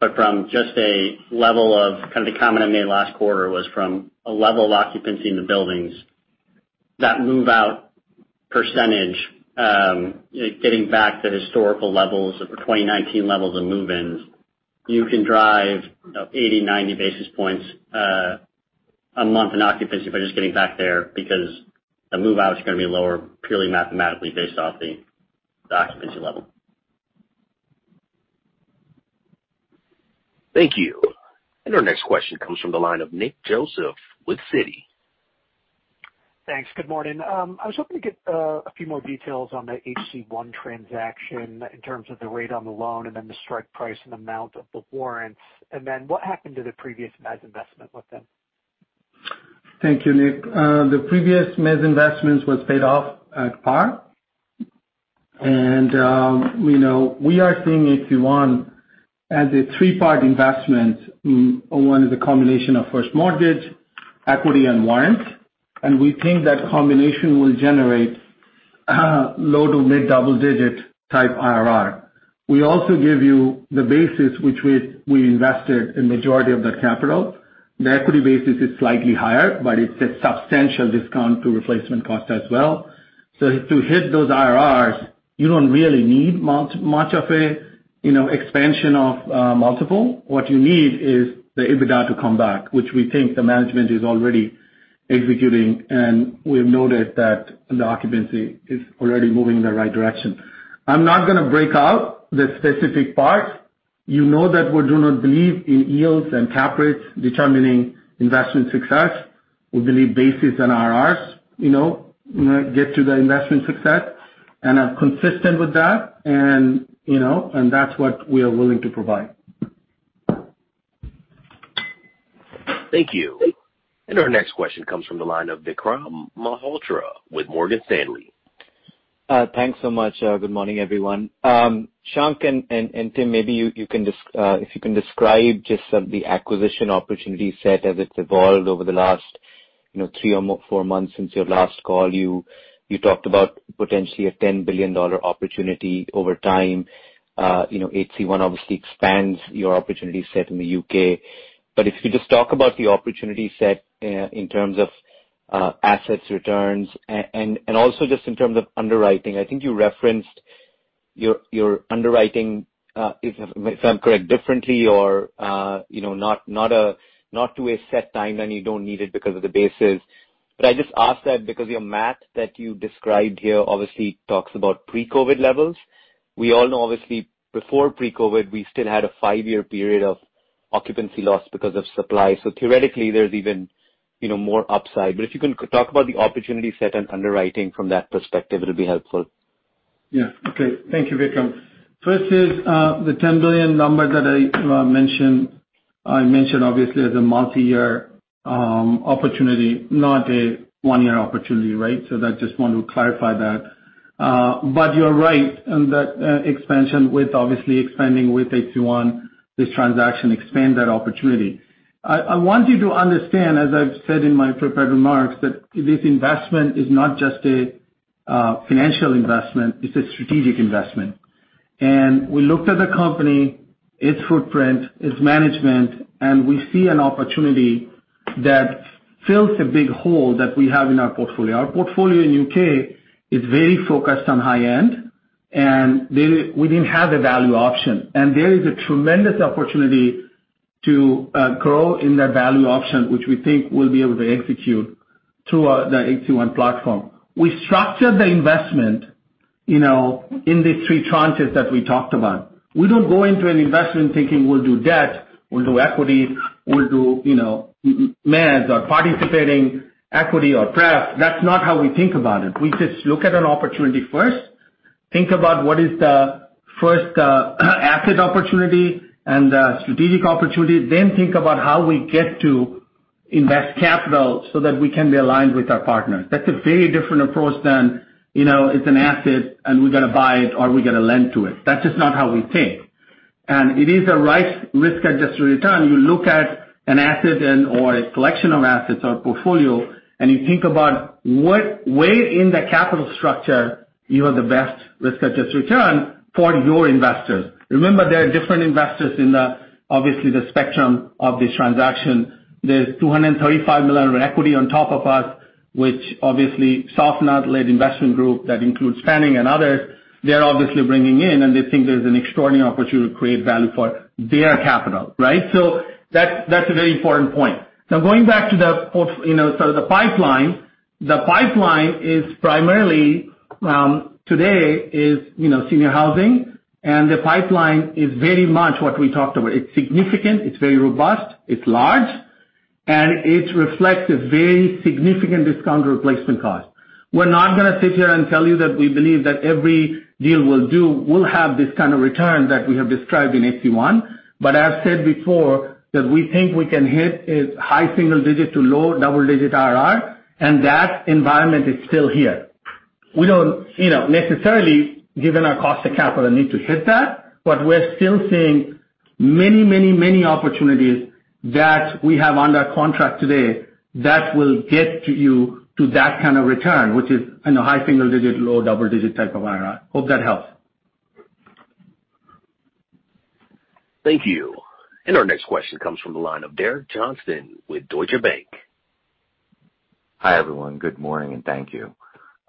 Kind of the comment I made last quarter was from a level of occupancy in the buildings that move-out percentage getting back to historical levels or 2019 levels of move-ins, you can drive 80, 90 basis points a month in occupancy by just getting back there because the move-out is going to be lower purely mathematically based off the occupancy level. Thank you. Our next question comes from the line of Nick Joseph with Citi. Thanks. Good morning. I was hoping to get a few more details on the HC-One transaction in terms of the rate on the loan and the strike price and amount of the warrants. What happened to the previous mezz investment with them? Thank you, Nick. The previous mezz investments was paid off at par. We are seeing HC-One as a three-part investment. One is a combination of first mortgage, equity, and warrants. We think that combination will generate low to mid double digit type IRR. We also give you the basis which we invested in majority of that capital. The equity basis is slightly higher, but it's a substantial discount to replacement cost as well. To hit those IRRs, you don't really need much of a expansion of multiple. What you need is the EBITDA to come back, which we think the management is already executing, and we've noted that the occupancy is already moving in the right direction. I'm not going to break out the specific parts. You know that we do not believe in yields and cap rates determining investment success. We believe basis and IRRs get to the investment success, and are consistent with that, and that's what we are willing to provide. Thank you. Our next question comes from the line of Vikram Malhotra with Morgan Stanley. Thanks so much. Good morning, everyone. Shankh and Tim, maybe if you can describe just the acquisition opportunity set as it's evolved over the last three or four months since your last call. You talked about potentially a $10 billion opportunity over time. HC-One obviously expands your opportunity set in the U.K. If you could just talk about the opportunity set in terms of assets returns, and also just in terms of underwriting. I think you referenced your underwriting, if I'm correct, differently or not to a set timeline, you don't need it because of the basis. I just ask that because your math that you described here obviously talks about pre-COVID levels. We all know, obviously, before pre-COVID, we still had a five-year period of occupancy loss because of supply. Theoretically, there's even more upside. If you can talk about the opportunity set and underwriting from that perspective, it'll be helpful. Yeah. Okay. Thank you, Vikram. First is, the $10 billion number that I mentioned, I mentioned obviously as a multi-year opportunity, not a one-year opportunity, right? I just want to clarify that. You're right in that expansion with obviously expanding with HC-One, this transaction expand that opportunity. I want you to understand, as I've said in my prepared remarks, that this investment is not just a financial investment, it's a strategic investment. We looked at the company, its footprint, its management, and we see an opportunity that fills a big hole that we have in our portfolio. Our portfolio in U.K. is very focused on high-end, and we didn't have a value option. There is a tremendous opportunity to grow in that value option, which we think we'll be able to execute through the HC-One platform. We structured the investment in these three tranches that we talked about. We don't go into an investment thinking we'll do debt, we'll do equity, we'll do mezz or participating equity or pref. That's not how we think about it. We just look at an opportunity first, think about what is the first asset opportunity and the strategic opportunity, then think about how we get to invest capital so that we can be aligned with our partners. That's a very different approach than it's an asset and we got to buy it or we got to lend to it. That's just not how we think. It is a right risk-adjusted return. You look at an asset or a collection of assets or portfolio, and you think about what way in the capital structure you have the best risk-adjusted return for your investors. Remember, there are different investors in the, obviously, the spectrum of this transaction. There's $235 million of equity on top of us, which obviously Safanad-led investment group that includes Safanad and others. They're obviously bringing in, and they think there's an extraordinary opportunity to create value for their capital, right? That's a very important point. Now, going back to the pipeline. The pipeline is primarily, today is senior housing, and the pipeline is very much what we talked about. It's significant, it's very robust, it's large, and it reflects a very significant discount to replacement cost. We're not going to sit here and tell you that we believe that every deal we'll do will have this kind of return that we have described in HC-One. I've said before that we think we can hit a high single digit to low double digit IRR, and that environment is still here. We don't necessarily, given our cost of capital, need to hit that, but we're still seeing many opportunities that we have under contract today that will get you to that kind of return, which is high single digit, low double digit type of IRR. Hope that helps. Thank you. Our next question comes from the line of Derek Johnston with Deutsche Bank. Hi, everyone. Good morning, and thank you.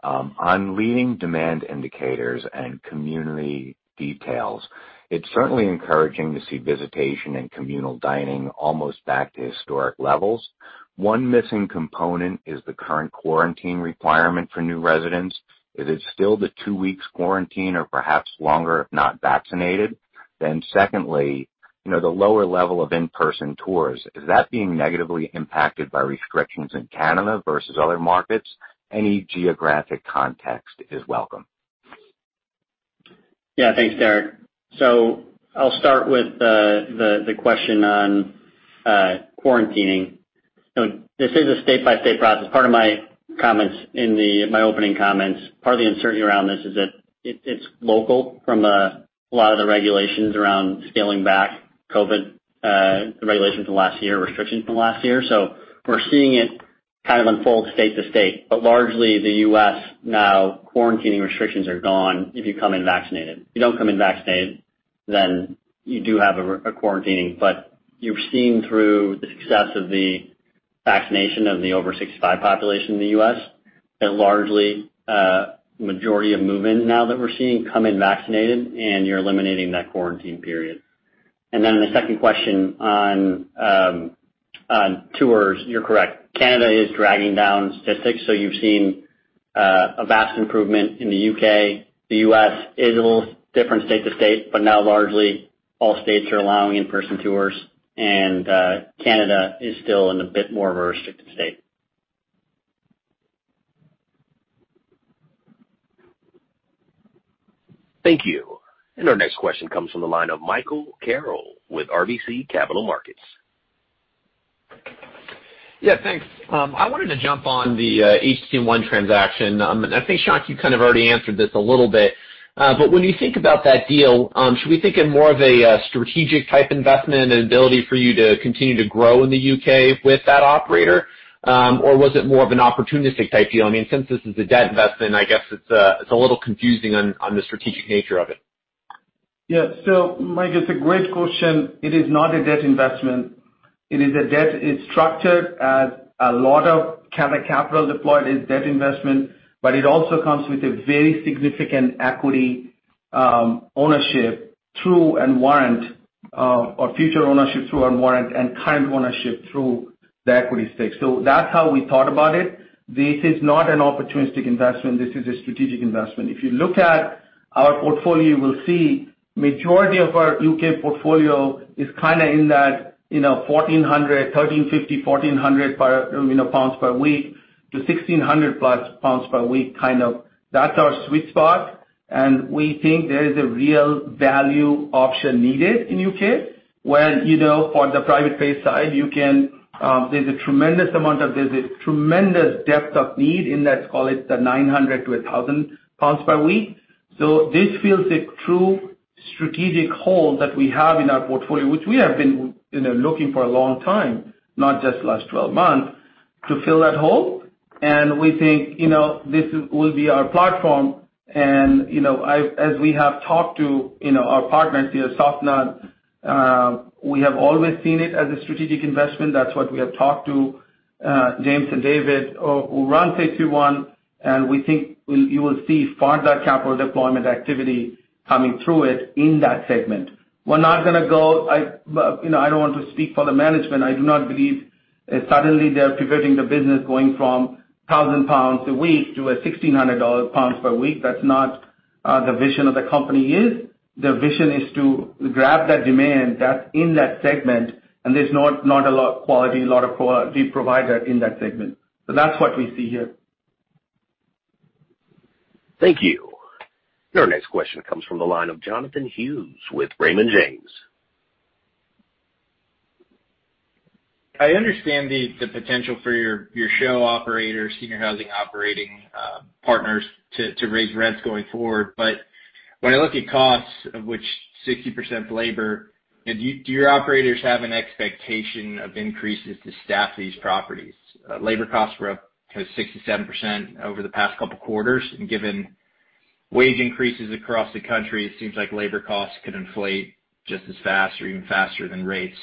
On leading demand indicators and community details, it's certainly encouraging to see visitation and communal dining almost back to historic levels. One missing component is the current quarantine requirement for new residents. Is it still the two weeks quarantine or perhaps longer if not vaccinated? Secondly, the lower level of in-person tours, is that being negatively impacted by restrictions in Canada versus other markets? Any geographic context is welcome. Yeah, thanks, Derek. I'll start with the question on quarantining. Part of my opening comments, part of the uncertainty around this is that it's local from a lot of the regulations around scaling back COVID-19, the regulations from last year, restrictions from last year. We're seeing it kind of unfold state to state. Largely, the U.S. now quarantining restrictions are gone if you come in vaccinated. If you don't come in vaccinated, then you do have a quarantining. You've seen through the success of the vaccination of the over 65 population in the U.S., that largely, majority of move-ins now that we're seeing, come in vaccinated, and you're eliminating that quarantine period. Then the second question on tours, you're correct. Canada is dragging down statistics. You've seen a vast improvement in the U.K. The U.S. is a little different state to state. Now largely all states are allowing in-person tours, and Canada is still in a bit more of a restricted state. Thank you. Our next question comes from the line of Michael Carroll with RBC Capital Markets. Yeah, thanks. I wanted to jump on the HC-One transaction. I think, Shankh, you kind of already answered this a little bit. When you think about that deal, should we think of more of a strategic type investment and ability for you to continue to grow in the U.K. with that operator? Was it more of an opportunistic type deal? Since this is a debt investment, I guess it's a little confusing on the strategic nature of it. Yeah. Mike, it's a great question. It is not a debt investment. It is structured as a lot of counter capital deployed is debt investment, but it also comes with a very significant equity ownership through a warrant or future ownership through a warrant and current ownership through the equity stake. That's how we thought about it. This is not an opportunistic investment. This is a strategic investment. If you look at our portfolio, you will see majority of our U.K. portfolio is kind of in that 1,400, 1,350, 1,400 pounds per week to 1,600+ pounds per week kind of. That's our sweet spot, and we think there is a real value option needed in U.K., where, for the private pay side, there's a tremendous depth of need in, let's call it, the 900-1,000 pounds per week. This fills a true strategic hole that we have in our portfolio, which we have been looking for a long time, not just last 12 months, to fill that hole. We think this will be our platform. As we have talked to our partners here, Safanad, we have always seen it as a strategic investment. That's what we have talked to James and David who run HC-One, and we think you will see further capital deployment activity coming through it in that segment. We're not going to go. I don't want to speak for the management. I do not believe suddenly they're pivoting the business going from 1,000 pounds a week to a GBP 1,600 per week. That's not the vision of the company. Their vision is to grab that demand that's in that segment, and there's not a lot of quality provider in that segment. That's what we see here. Thank you. Your next question comes from the line of Jonathan Hughes with Raymond James. I understand the potential for your SHOP operators, senior housing operating partners to raise rents going forward. When I look at costs, of which 60% is labor, do your operators have an expectation of increases to staff these properties? Labor costs were up 67% over the past couple quarters, and given wage increases across the country, it seems like labor costs could inflate just as fast or even faster than rates.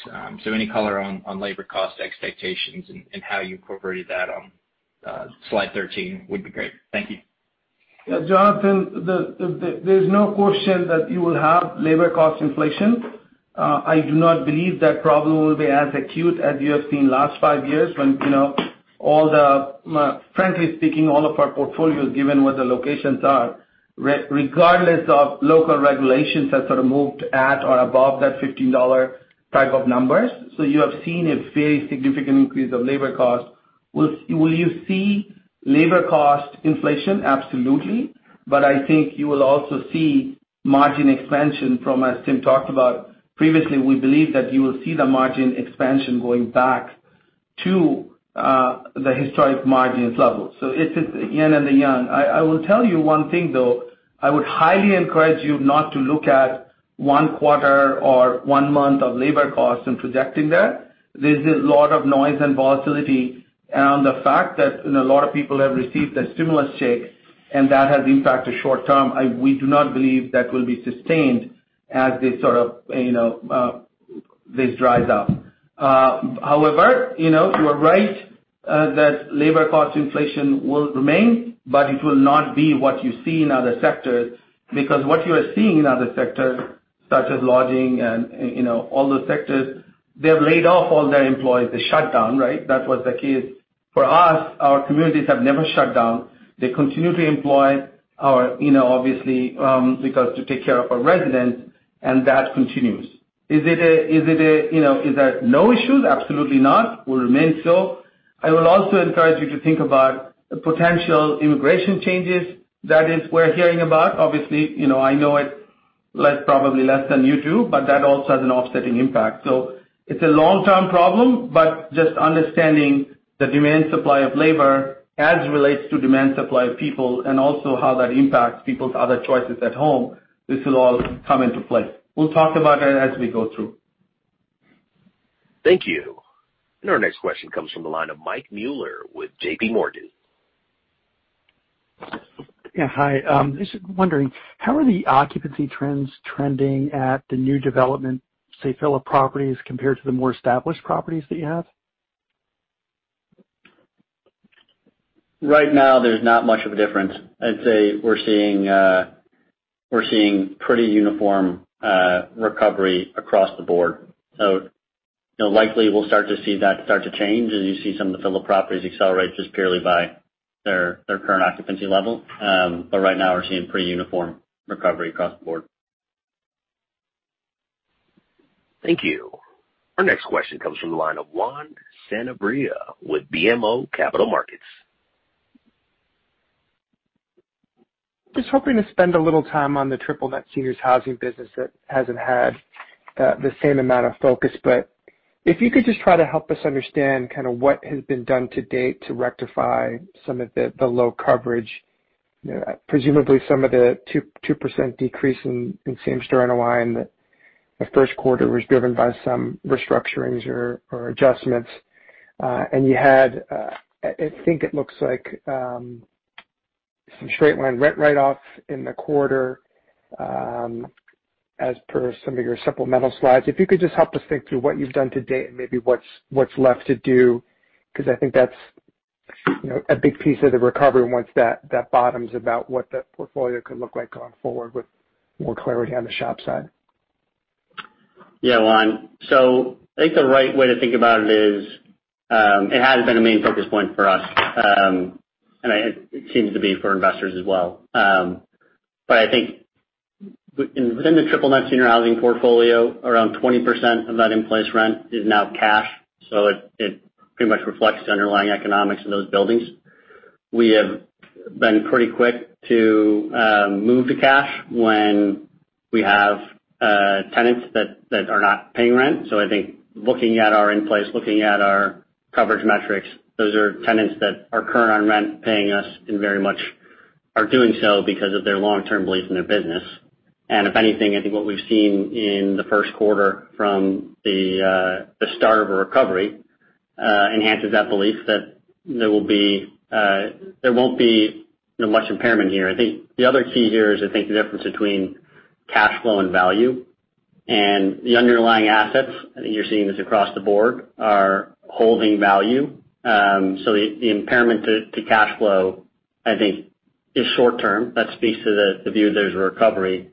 Any color on labor cost expectations and how you incorporated that on slide 13 would be great. Thank you. Jonathan, there's no question that you will have labor cost inflation. I do not believe that problem will be as acute as you have seen last five years when, frankly speaking, all of our portfolios, given where the locations are, regardless of local regulations, have sort of moved at or above that $15 type of numbers. You have seen a very significant increase of labor cost. Will you see labor cost inflation? Absolutely. I think you will also see margin expansion from, as Tim talked about previously, we believe that you will see the margin expansion going back to the historic margins level. It is yin and the yang. I will tell you one thing, though. I would highly encourage you not to look at one quarter or one month of labor costs and projecting that. There's a lot of noise and volatility around the fact that a lot of people have received their stimulus check, and that has impacted short term. We do not believe that will be sustained as this sort of, this dries up. You are right that labor cost inflation will remain, but it will not be what you see in other sectors, because what you are seeing in other sectors, such as lodging and all those sectors, they have laid off all their employees. They shut down, right? That was the case. For us, our communities have never shut down. They continue to employ our, obviously, because to take care of our residents, and that continues. Is there no issues? Absolutely not. Will remain so. I will also encourage you to think about the potential immigration changes that we're hearing about. Obviously, I know it probably less than you do, but that also has an offsetting impact. It's a long-term problem, but just understanding the demand-supply of labor as relates to demand supply of people and also how that impacts people's other choices at home, this will all come into play. We'll talk about it as we go through. Thank you. Our next question comes from the line of Mike Mueller with JPMorgan. Yeah, hi. Just wondering, how are the occupancy trends trending at the new development, say, fill-up properties compared to the more established properties that you have? Right now, there's not much of a difference. I'd say we're seeing pretty uniform recovery across the board. Likely we'll start to see that start to change as you see some of the fill-up properties accelerate just purely by their current occupancy level. Right now we're seeing pretty uniform recovery across the board. Thank you. Our next question comes from the line of Juan Sanabria with BMO Capital Markets. Just hoping to spend a little time on the triple net seniors housing business that hasn't had the same amount of focus. If you could just try to help us understand kind of what has been done to date to rectify some of the low coverage. Presumably some of the 2% decrease in same-store NOI in the first quarter was driven by some restructurings or adjustments. You had, I think it looks like some straight line rent write-offs in the quarter as per some of your supplemental slides. If you could just help us think through what you've done to date and maybe what's left to do, because I think that's a big piece of the recovery once that bottoms about what that portfolio could look like going forward with more clarity on the SHOP side. Yeah, Juan. I think the right way to think about it is, it has been a main focus point for us, and it seems to be for investors as well. I think within the triple net senior housing portfolio, around 20% of that in-place rent is now cash, so it pretty much reflects the underlying economics of those buildings. We have been pretty quick to move to cash when we have tenants that are not paying rent. I think looking at our in-place, looking at our coverage metrics, those are tenants that are current on rent paying us and very much are doing so because of their long-term belief in their business. If anything, I think what we've seen in the first quarter from the start of a recovery enhances that belief that there won't be much impairment here. I think the other key here is I think the difference between cash flow and value. The underlying assets, I think you're seeing this across the board, are holding value. The impairment to cash flow, I think, is short-term. That speaks to the view there's a recovery.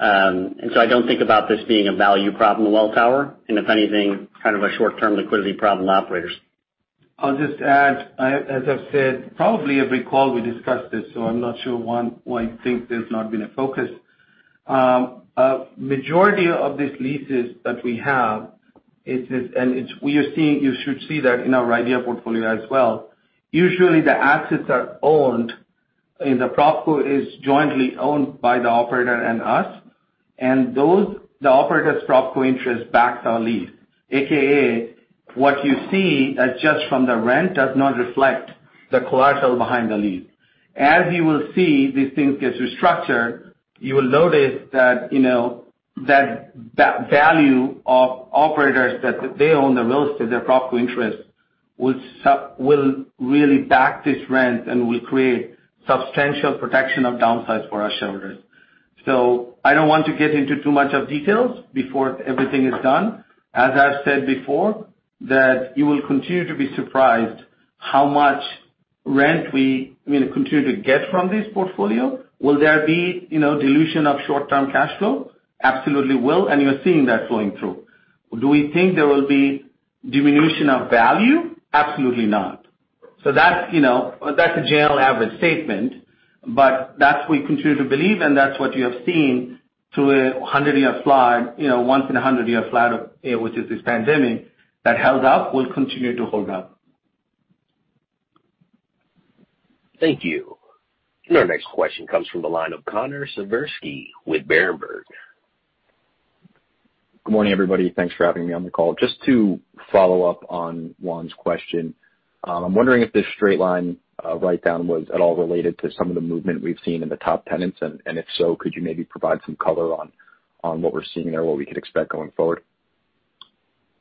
I don't think about this being a value problem at Welltower, and if anything, kind of a short-term liquidity problem with operators. I'll just add, as I've said, probably every call we discussed this, I'm not sure why you think there's not been a focus. Majority of these leases that we have, you should see that in our RIDEA portfolio as well. Usually the assets are owned and the PropCo is jointly owned by the operator and us. The operator's PropCo interest backs our lease, AKA, what you see adjust from the rent does not reflect the collateral behind the lease. As you will see, these things get restructured. You will notice that value of operators that they own the real estate, their PropCo interest, will really back this rent and will create substantial protection of downsides for our shareholders. I don't want to get into too much of details before everything is done. As I've said before, that you will continue to be surprised how much rent we continue to get from this portfolio. Will there be dilution of short-term cash flow? Absolutely will, and you're seeing that flowing through. Do we think there will be diminution of value? Absolutely not. That's a general average statement, but that's we continue to believe and that's what you have seen through a once in 100-year flood, which is this pandemic, that held up, will continue to hold up. Thank you. Our next question comes from the line of Connor Siversky with Berenberg. Good morning, everybody. Thanks for having me on the call. Just to follow up on Juan's question. I'm wondering if this straight line write-down was at all related to some of the movement we've seen in the top tenants, and if so, could you maybe provide some color on what we're seeing there, what we could expect going forward?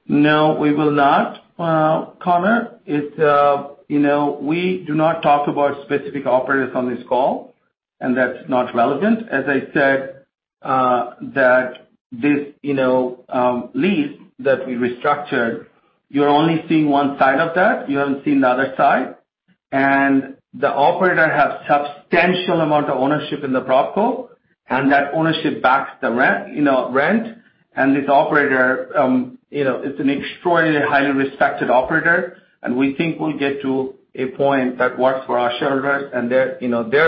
No, we will not, Connor. We do not talk about specific operators on this call, and that's not relevant. As I said, that this lease that we restructured, you're only seeing one side of that. You haven't seen the other side. The operator has substantial amount of ownership in the PropCo, and that ownership backs the rent. This operator, it's an extraordinarily highly respected operator, and we think we'll get to a point that works for our shareholders and their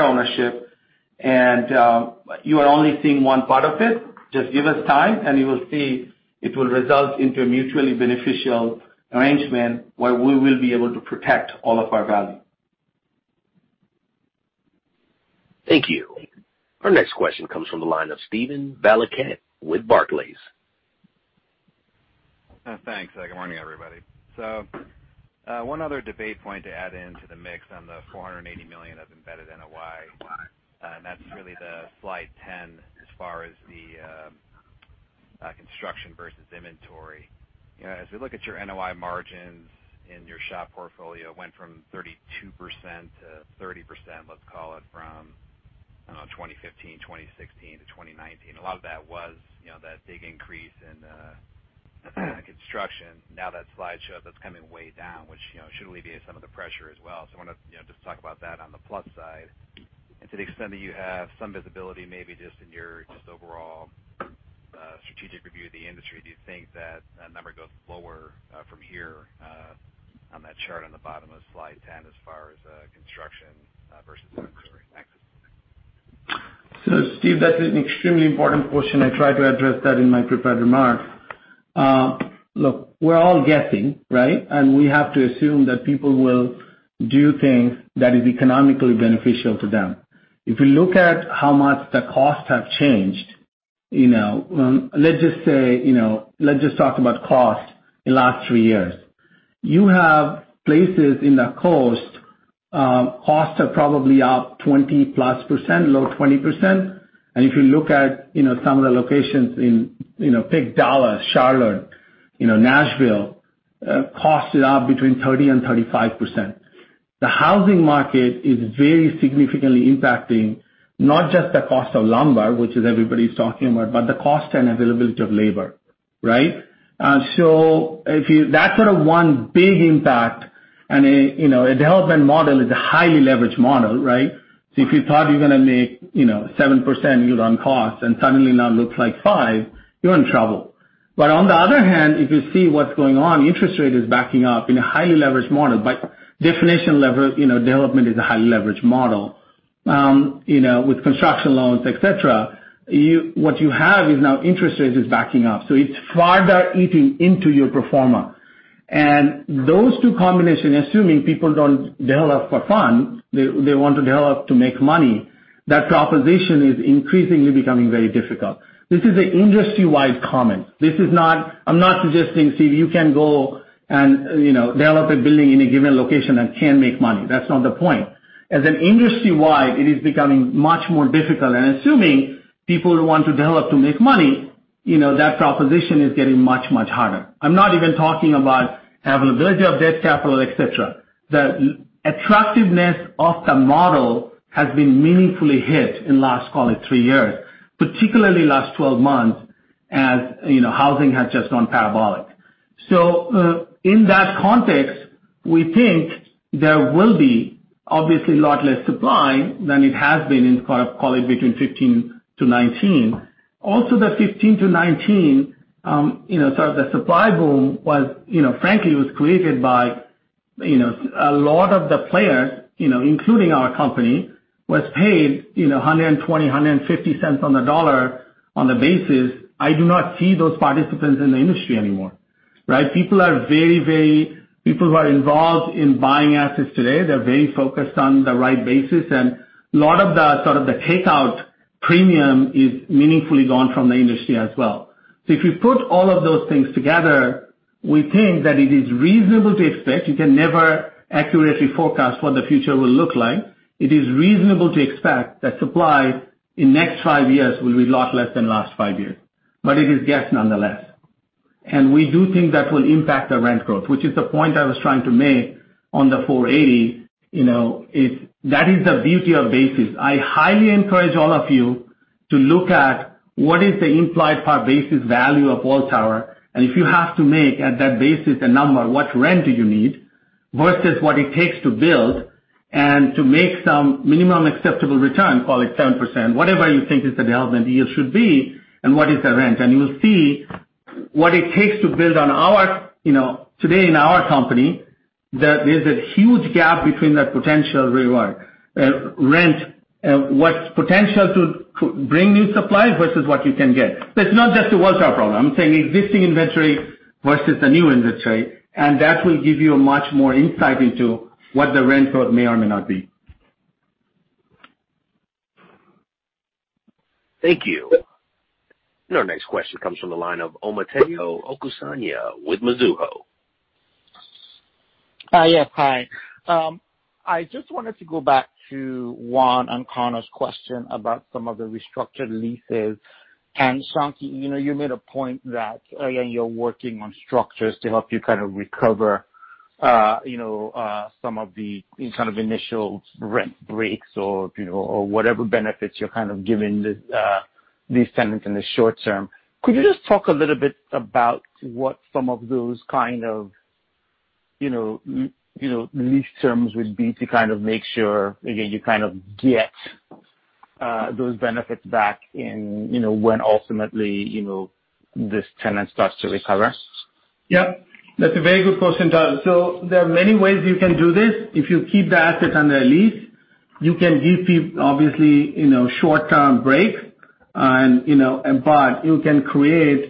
ownership. You are only seeing one part of it. Just give us time, and you will see it will result into a mutually beneficial arrangement where we will be able to protect all of our value. Thank you. Our next question comes from the line of Steven Valiquette with Barclays. Thanks. Good morning, everybody. One other debate point to add into the mix on the $480 million of embedded NOI, and that's really the slide 10 as far as the construction versus inventory. As we look at your NOI margins in your SHOP portfolio, went from 32% to 30%, let's call it, from, I don't know, 2015, 2016 to 2019. A lot of that was that big increase in construction. That slide shows that's coming way down, which should alleviate some of the pressure as well. I want to just talk about that on the plus side. To the extent that you have some visibility, maybe just in your just overall strategic review of the industry, do you think that number goes lower from here on that chart on the bottom of slide 10 as far as construction versus inventory? Thanks. Steve, that's an extremely important question. I tried to address that in my prepared remarks. Look, we're all guessing, right? We have to assume that people will do things that is economically beneficial to them. If you look at how much the costs have changed, let's just talk about cost in last three years. You have places in the coast, costs are probably up 20-plus%, low 20%. If you look at some of the locations in take Dallas, Charlotte, Nashville, cost is up between 30% and 35%. The housing market is very significantly impacting not just the cost of lumber, which is everybody's talking about, but the cost and availability of labor, right? That's sort of one big impact. A development model is a highly leveraged model, right? If you thought you're going to make 7% on costs and suddenly now it looks like 5%, you're in trouble. On the other hand, if you see what's going on, interest rate is backing up in a highly leveraged model. By definition, development is a highly leveraged model, with construction loans, et cetera, what you have is now interest rates is backing up. It's further eating into your pro forma. Those two combination, assuming people don't develop for fun, they want to develop to make money, that proposition is increasingly becoming very difficult. This is an industry-wide comment. I'm not suggesting, Steve, you can go and develop a building in a given location and can't make money. That's not the point. As an industry-wide, it is becoming much more difficult. Assuming people want to develop to make money, that proposition is getting much, much harder. I'm not even talking about availability of debt capital, et cetera. The attractiveness of the model has been meaningfully hit in the last, call it three years, particularly last 12 months, as housing has just gone parabolic. In that context, we think there will be obviously a lot less supply than it has been in call it between 2015-2019. The 2015-2019, sort of the supply boom frankly, was created by a lot of the players, including our company, was paid $1.20, $1.50 on the dollar on the basis I do not see those participants in the industry anymore, right? People who are involved in buying assets today, they're very focused on the right basis, and a lot of the sort of the takeout premium is meaningfully gone from the industry as well. If you put all of those things together, we think that it is reasonable to expect, you can never accurately forecast what the future will look like. It is reasonable to expect that supply in next five years will be a lot less than last five years. It is guess nonetheless. We do think that will impact the rent growth, which is the point I was trying to make on the 480. That is the beauty of basis. I highly encourage all of you to look at what is the implied per-basis value of Welltower, and if you have to make at that basis a number, what rent do you need versus what it takes to build and to make some minimum acceptable return, call it 7%, whatever you think is the development yield should be and what is the rent. You will see what it takes to build today in our company, there's a huge gap between that potential rent, what's potential to bring new supply versus what you can get. That's not just a Welltower problem. I'm saying existing inventory versus the new inventory, that will give you a much more insight into what the rent growth may or may not be. Thank you. Our next question comes from the line of Omotayo Okusanya with Mizuho. Yes, hi. I just wanted to go back to Juan and Connor's question about some of the restructured leases. Shankh, you made a point that again, you're working on structures to help you kind of recover some of the kind of initial rent breaks or whatever benefits you're kind of giving these tenants in the short term. Could you just talk a little bit about what some of those kind of lease terms would be to kind of make sure, again, you kind of get those benefits back in when ultimately, this tenant starts to recover? Yep, that's a very good percentile. There are many ways you can do this. If you keep the asset under a lease, you can give people, obviously, short-term breaks. You can create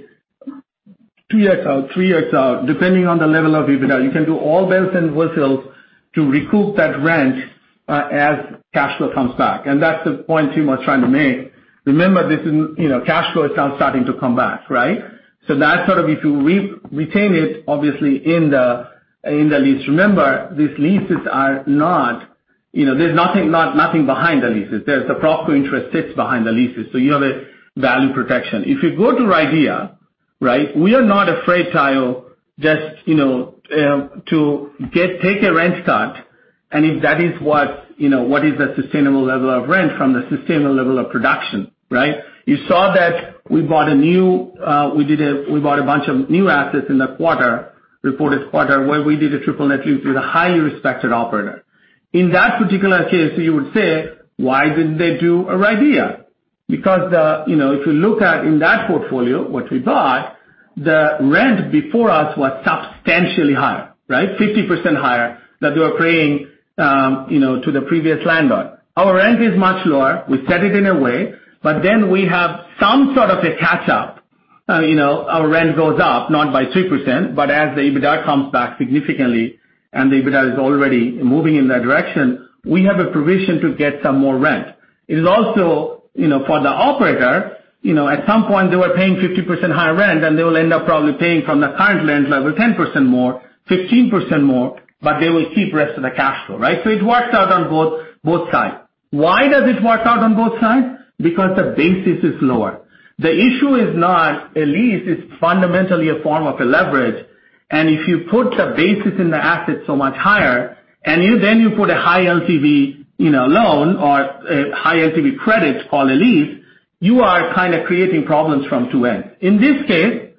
two years out, three years out, depending on the level of EBITDA. You can do all bells and whistles to recoup that rent as cash flow comes back. That's the point Tim was trying to make. Remember, cash flow is now starting to come back, right? That sort of, if you re-retain it, obviously in the lease. Remember, there's nothing behind the leases. There's a proper interest sits behind the leases, so you have a value protection. If you go to RIDEA, right? We are not afraid, Tayo, just to take a rent cut. If that is what is the sustainable level of rent from the sustainable level of production, right? You saw that we bought a bunch of new assets in the quarter, reported quarter, where we did a triple net lease with a highly respected operator. In that particular case, you would say, "Why didn't they do a RIDEA?" If you look at in that portfolio, what we bought, the rent before us was substantially higher, right? 50% higher that they were paying to the previous landlord. Our rent is much lower. We set it in a way, but then we have some sort of a catch up. Our rent goes up not by 3%, but as the EBITDA comes back significantly and the EBITDA is already moving in that direction, we have a provision to get some more rent. It is also for the operator, at some point, they were paying 50% higher rent, and they will end up probably paying from the current rent level 10% more, 15% more, but they will keep rest of the cash flow, right? It works out on both sides. Why does it work out on both sides? Because the basis is lower. The issue is not a lease is fundamentally a form of a leverage, and if you put the basis in the asset so much higher, and then you put a high LTV loan or a high LTV credit, call a lease, you are kind of creating problems from two ends. In this case,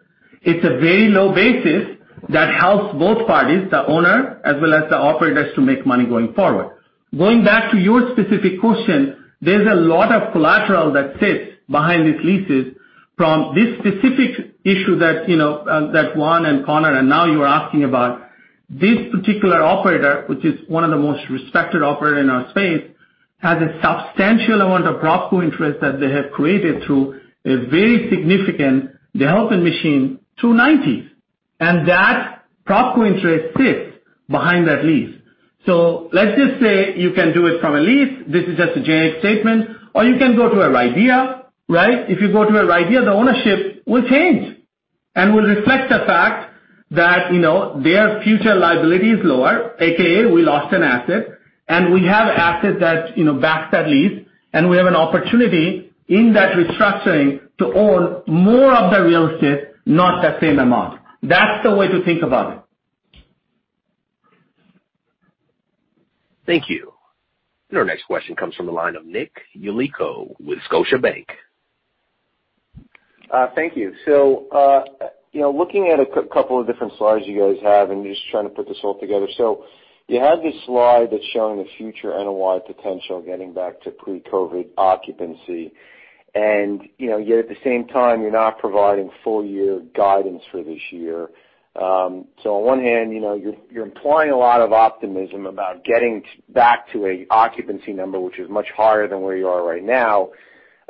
it's a very low basis that helps both parties, the owner, as well as the operators, to make money going forward. Going back to your specific question, there's a lot of collateral that sits behind these leases from this specific issue that Juan and Connor and now you are asking about. This particular operator, which is one of the most respected operator in our space, has a substantial amount of PropCo-interest that they have created through a very significant development machine through 1990s. That PropCo-interest sits behind that lease. Let's just say you can do it from a lease. This is just a generic statement, or you can go to a RIDEA, right? If you go to a RIDEA, the ownership will change and will reflect the fact that their future liability is lower, AKA, we lost an asset, and we have asset that backs that lease, and we have an opportunity in that restructuring to own more of the real estate, not the same amount. That's the way to think about it. Thank you. Our next question comes from the line of Nick Yulico with Scotiabank. Thank you. Looking at a couple of different slides you guys have, and just trying to put this all together. You have this slide that's showing the future NOI potential getting back to pre-COVID occupancy. Yet at the same time, you're not providing full year guidance for this year. On one hand, you're implying a lot of optimism about getting back to a occupancy number, which is much higher than where you are right now.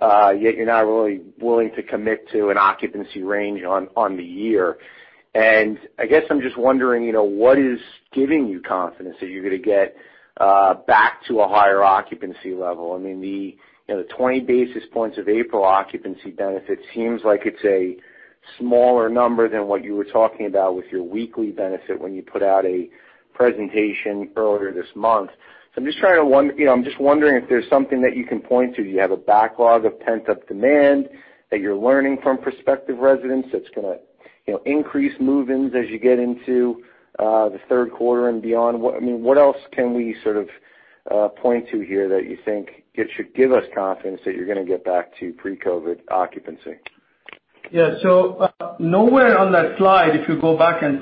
Yet, you're not really willing to commit to an occupancy range on the year. I guess I'm just wondering, what is giving you confidence that you're gonna get back to a higher occupancy level? I mean, the 20 basis points of April occupancy benefit seems like it's a smaller number than what you were talking about with your weekly benefit when you put out a presentation earlier this month. I'm just wondering if there's something that you can point to. Do you have a backlog of pent-up demand that you're learning from prospective residents that's gonna increase move-ins as you get into the third quarter and beyond? What else can we sort of point to here that you think it should give us confidence that you're gonna get back to pre-COVID occupancy? Nowhere on that slide, if you go back and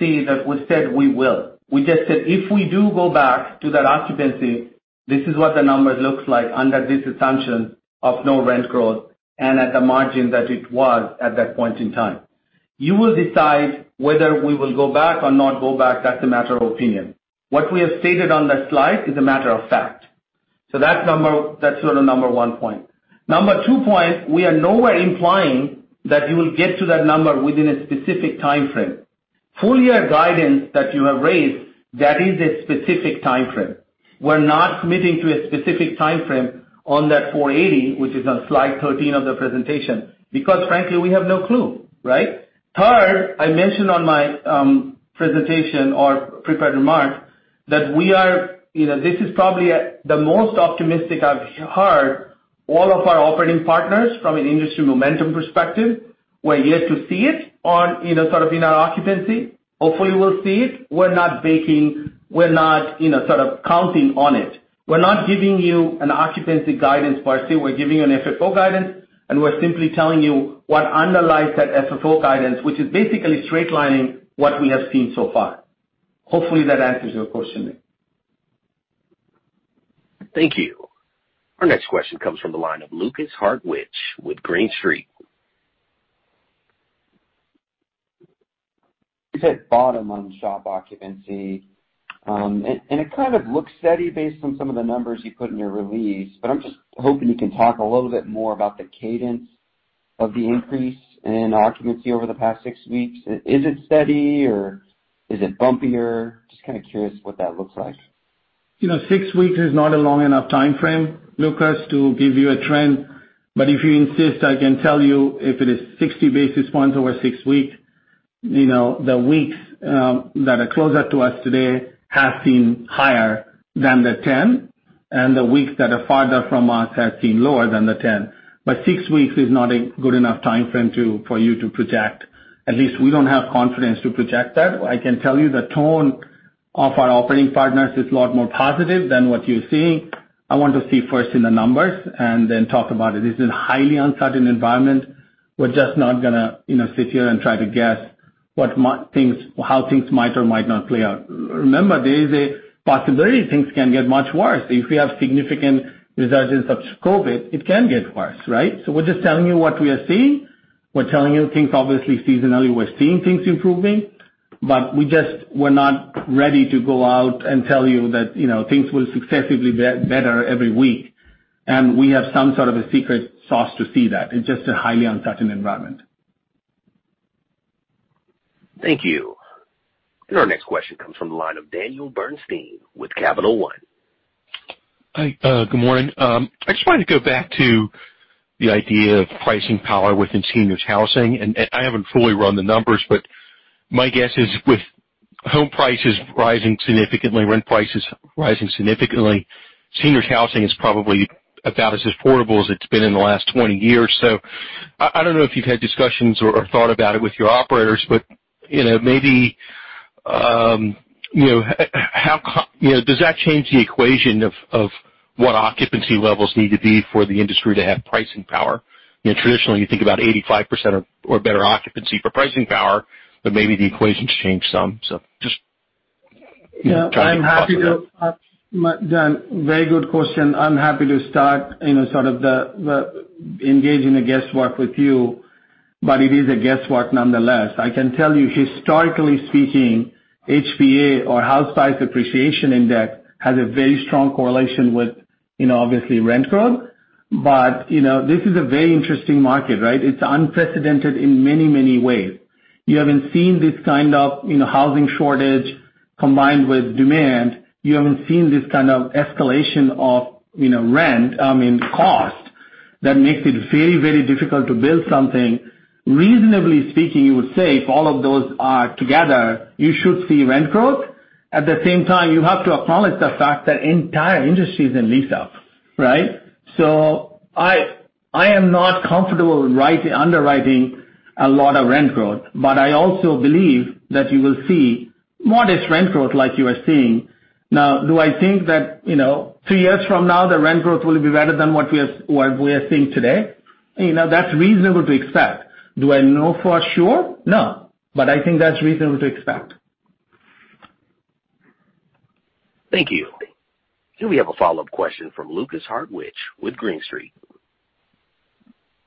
see that we said we will. We just said, if we do go back to that occupancy, this is what the numbers looks like under this assumption of no rent growth and at the margin that it was at that point in time. You will decide whether we will go back or not go back. That's a matter of opinion. What we have stated on that slide is a matter of fact. That's sort of number one point. Number two point, we are nowhere implying that you will get to that number within a specific timeframe. Full year guidance that you have raised, that is a specific timeframe. We're not committing to a specific timeframe on that $480 million, which is on slide 13 of the presentation, because frankly, we have no clue, right? I mentioned on my presentation or prepared remarks that this is probably the most optimistic I've heard all of our operating partners from an industry momentum perspective. We're yet to see it on in our occupancy. Hopefully, we'll see it. We're not sort of counting on it. We're not giving you an occupancy guidance per se. We're giving you an FFO guidance, and we're simply telling you what underlies that FFO guidance, which is basically straight lining what we have seen so far. Hopefully, that answers your question. Thank you. Our next question comes from the line of Lukas Hartwich with Green Street. You said bottom on SHOP occupancy. It kind of looks steady based on some of the numbers you put in your release. I'm just hoping you can talk a little bit more about the cadence of the increase in occupancy over the past six weeks. Is it steady or is it bumpier? Just kind of curious what that looks like. Six weeks is not a long enough timeframe, Lukas, to give you a trend. If you insist, I can tell you if it is 60 basis points over six weeks, the weeks that are closer to us today have seen higher than the 10, and the weeks that are farther from us have seen lower than the 10. Six weeks is not a good enough timeframe for you to project. At least we don't have confidence to project that. I can tell you the tone of our operating partners is a lot more positive than what you're seeing. I want to see first in the numbers and then talk about it. This is a highly uncertain environment. We're just not gonna sit here and try to guess how things might or might not play out. Remember, there is a possibility things can get much worse. If we have significant resurgence of COVID-19, it can get worse, right? We're just telling you what we are seeing. We're telling you things, obviously, seasonally, we're seeing things improving, but we're not ready to go out and tell you that things will successively be better every week, and we have some sort of a secret sauce to see that. It's just a highly uncertain environment. Thank you. Our next question comes from the line of Daniel Bernstein with Capital One. Hi, good morning. I just wanted to go back to the idea of pricing power within seniors housing. I haven't fully run the numbers, but my guess is with home prices rising significantly, rent prices rising significantly, seniors housing is probably about as affordable as it's been in the last 20 years. I don't know if you've had discussions or thought about it with your operators, but maybe does that change the equation of what occupancy levels need to be for the industry to have pricing power? Traditionally, you think about 85% or better occupancy for pricing power, but maybe the equation's changed some. Yeah. I'm happy to. Dan, very good question. I'm happy to start sort of engage in a guesswork with you. It is a guesswork nonetheless. I can tell you historically speaking, HPA or House Price Appreciation Index, has a very strong correlation with obviously rent growth. This is a very interesting market, right? It's unprecedented in many ways. You haven't seen this kind of housing shortage combined with demand. You haven't seen this kind of escalation of rent, I mean, cost that makes it very difficult to build something. Reasonably speaking, you would say if all of those are together, you should see rent growth. At the same time, you have to acknowledge the fact that entire industry is in lease-up, right? I am not comfortable underwriting a lot of rent growth, but I also believe that you will see modest rent growth like you are seeing. Now, do I think that two years from now, the rent growth will be better than what we are seeing today? That's reasonable to expect. Do I know for sure? No, but I think that's reasonable to expect. Thank you. Do we have a follow-up question from Lukas Hartwich with Green Street?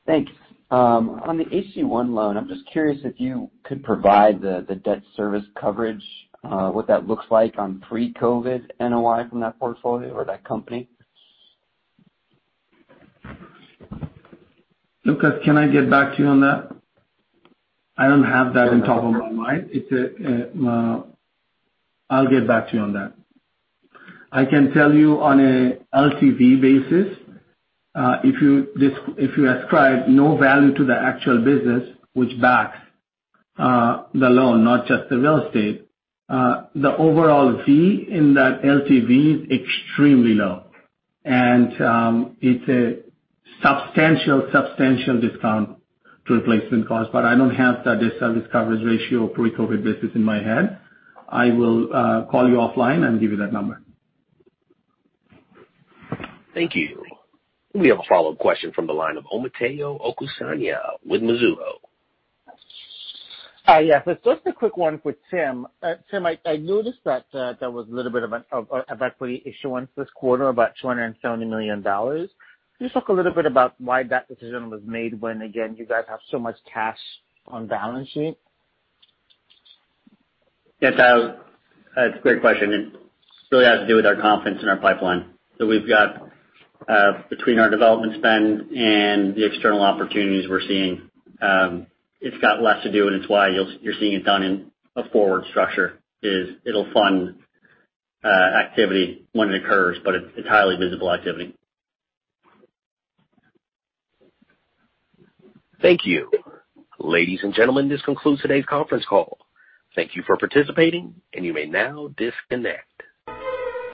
Thanks. On the HC-One loan, I'm just curious if you could provide the debt service coverage, what that looks like on pre-COVID NOI from that portfolio or that company? Lukas, can I get back to you on that? I don't have that on top of my mind. I'll get back to you on that. I can tell you on an LTV basis, if you ascribe no value to the actual business which backs the loan, not just the real estate, the overall fee in that LTV is extremely low. It's a substantial discount to replacement cost. I don't have the debt service coverage ratio pre-COVID basis in my head. I will call you offline and give you that number. Thank you. We have a follow-up question from the line of Omotayo Okusanya with Mizuho. Yes. Just a quick one for Tim. Tim, I noticed that there was a little bit of equity issuance this quarter, about $270 million. Can you just talk a little bit about why that decision was made when, again, you guys have so much cash on balance sheet? Yes. Great question, and it really has to do with our confidence in our pipeline. We've got between our development spend and the external opportunities we're seeing, it's got less to do, and it's why you're seeing it done in a forward structure is it'll fund activity when it occurs, but it's highly visible activity. Thank you. Ladies and gentlemen, this concludes today's conference call. Thank you for participating, and you may now disconnect.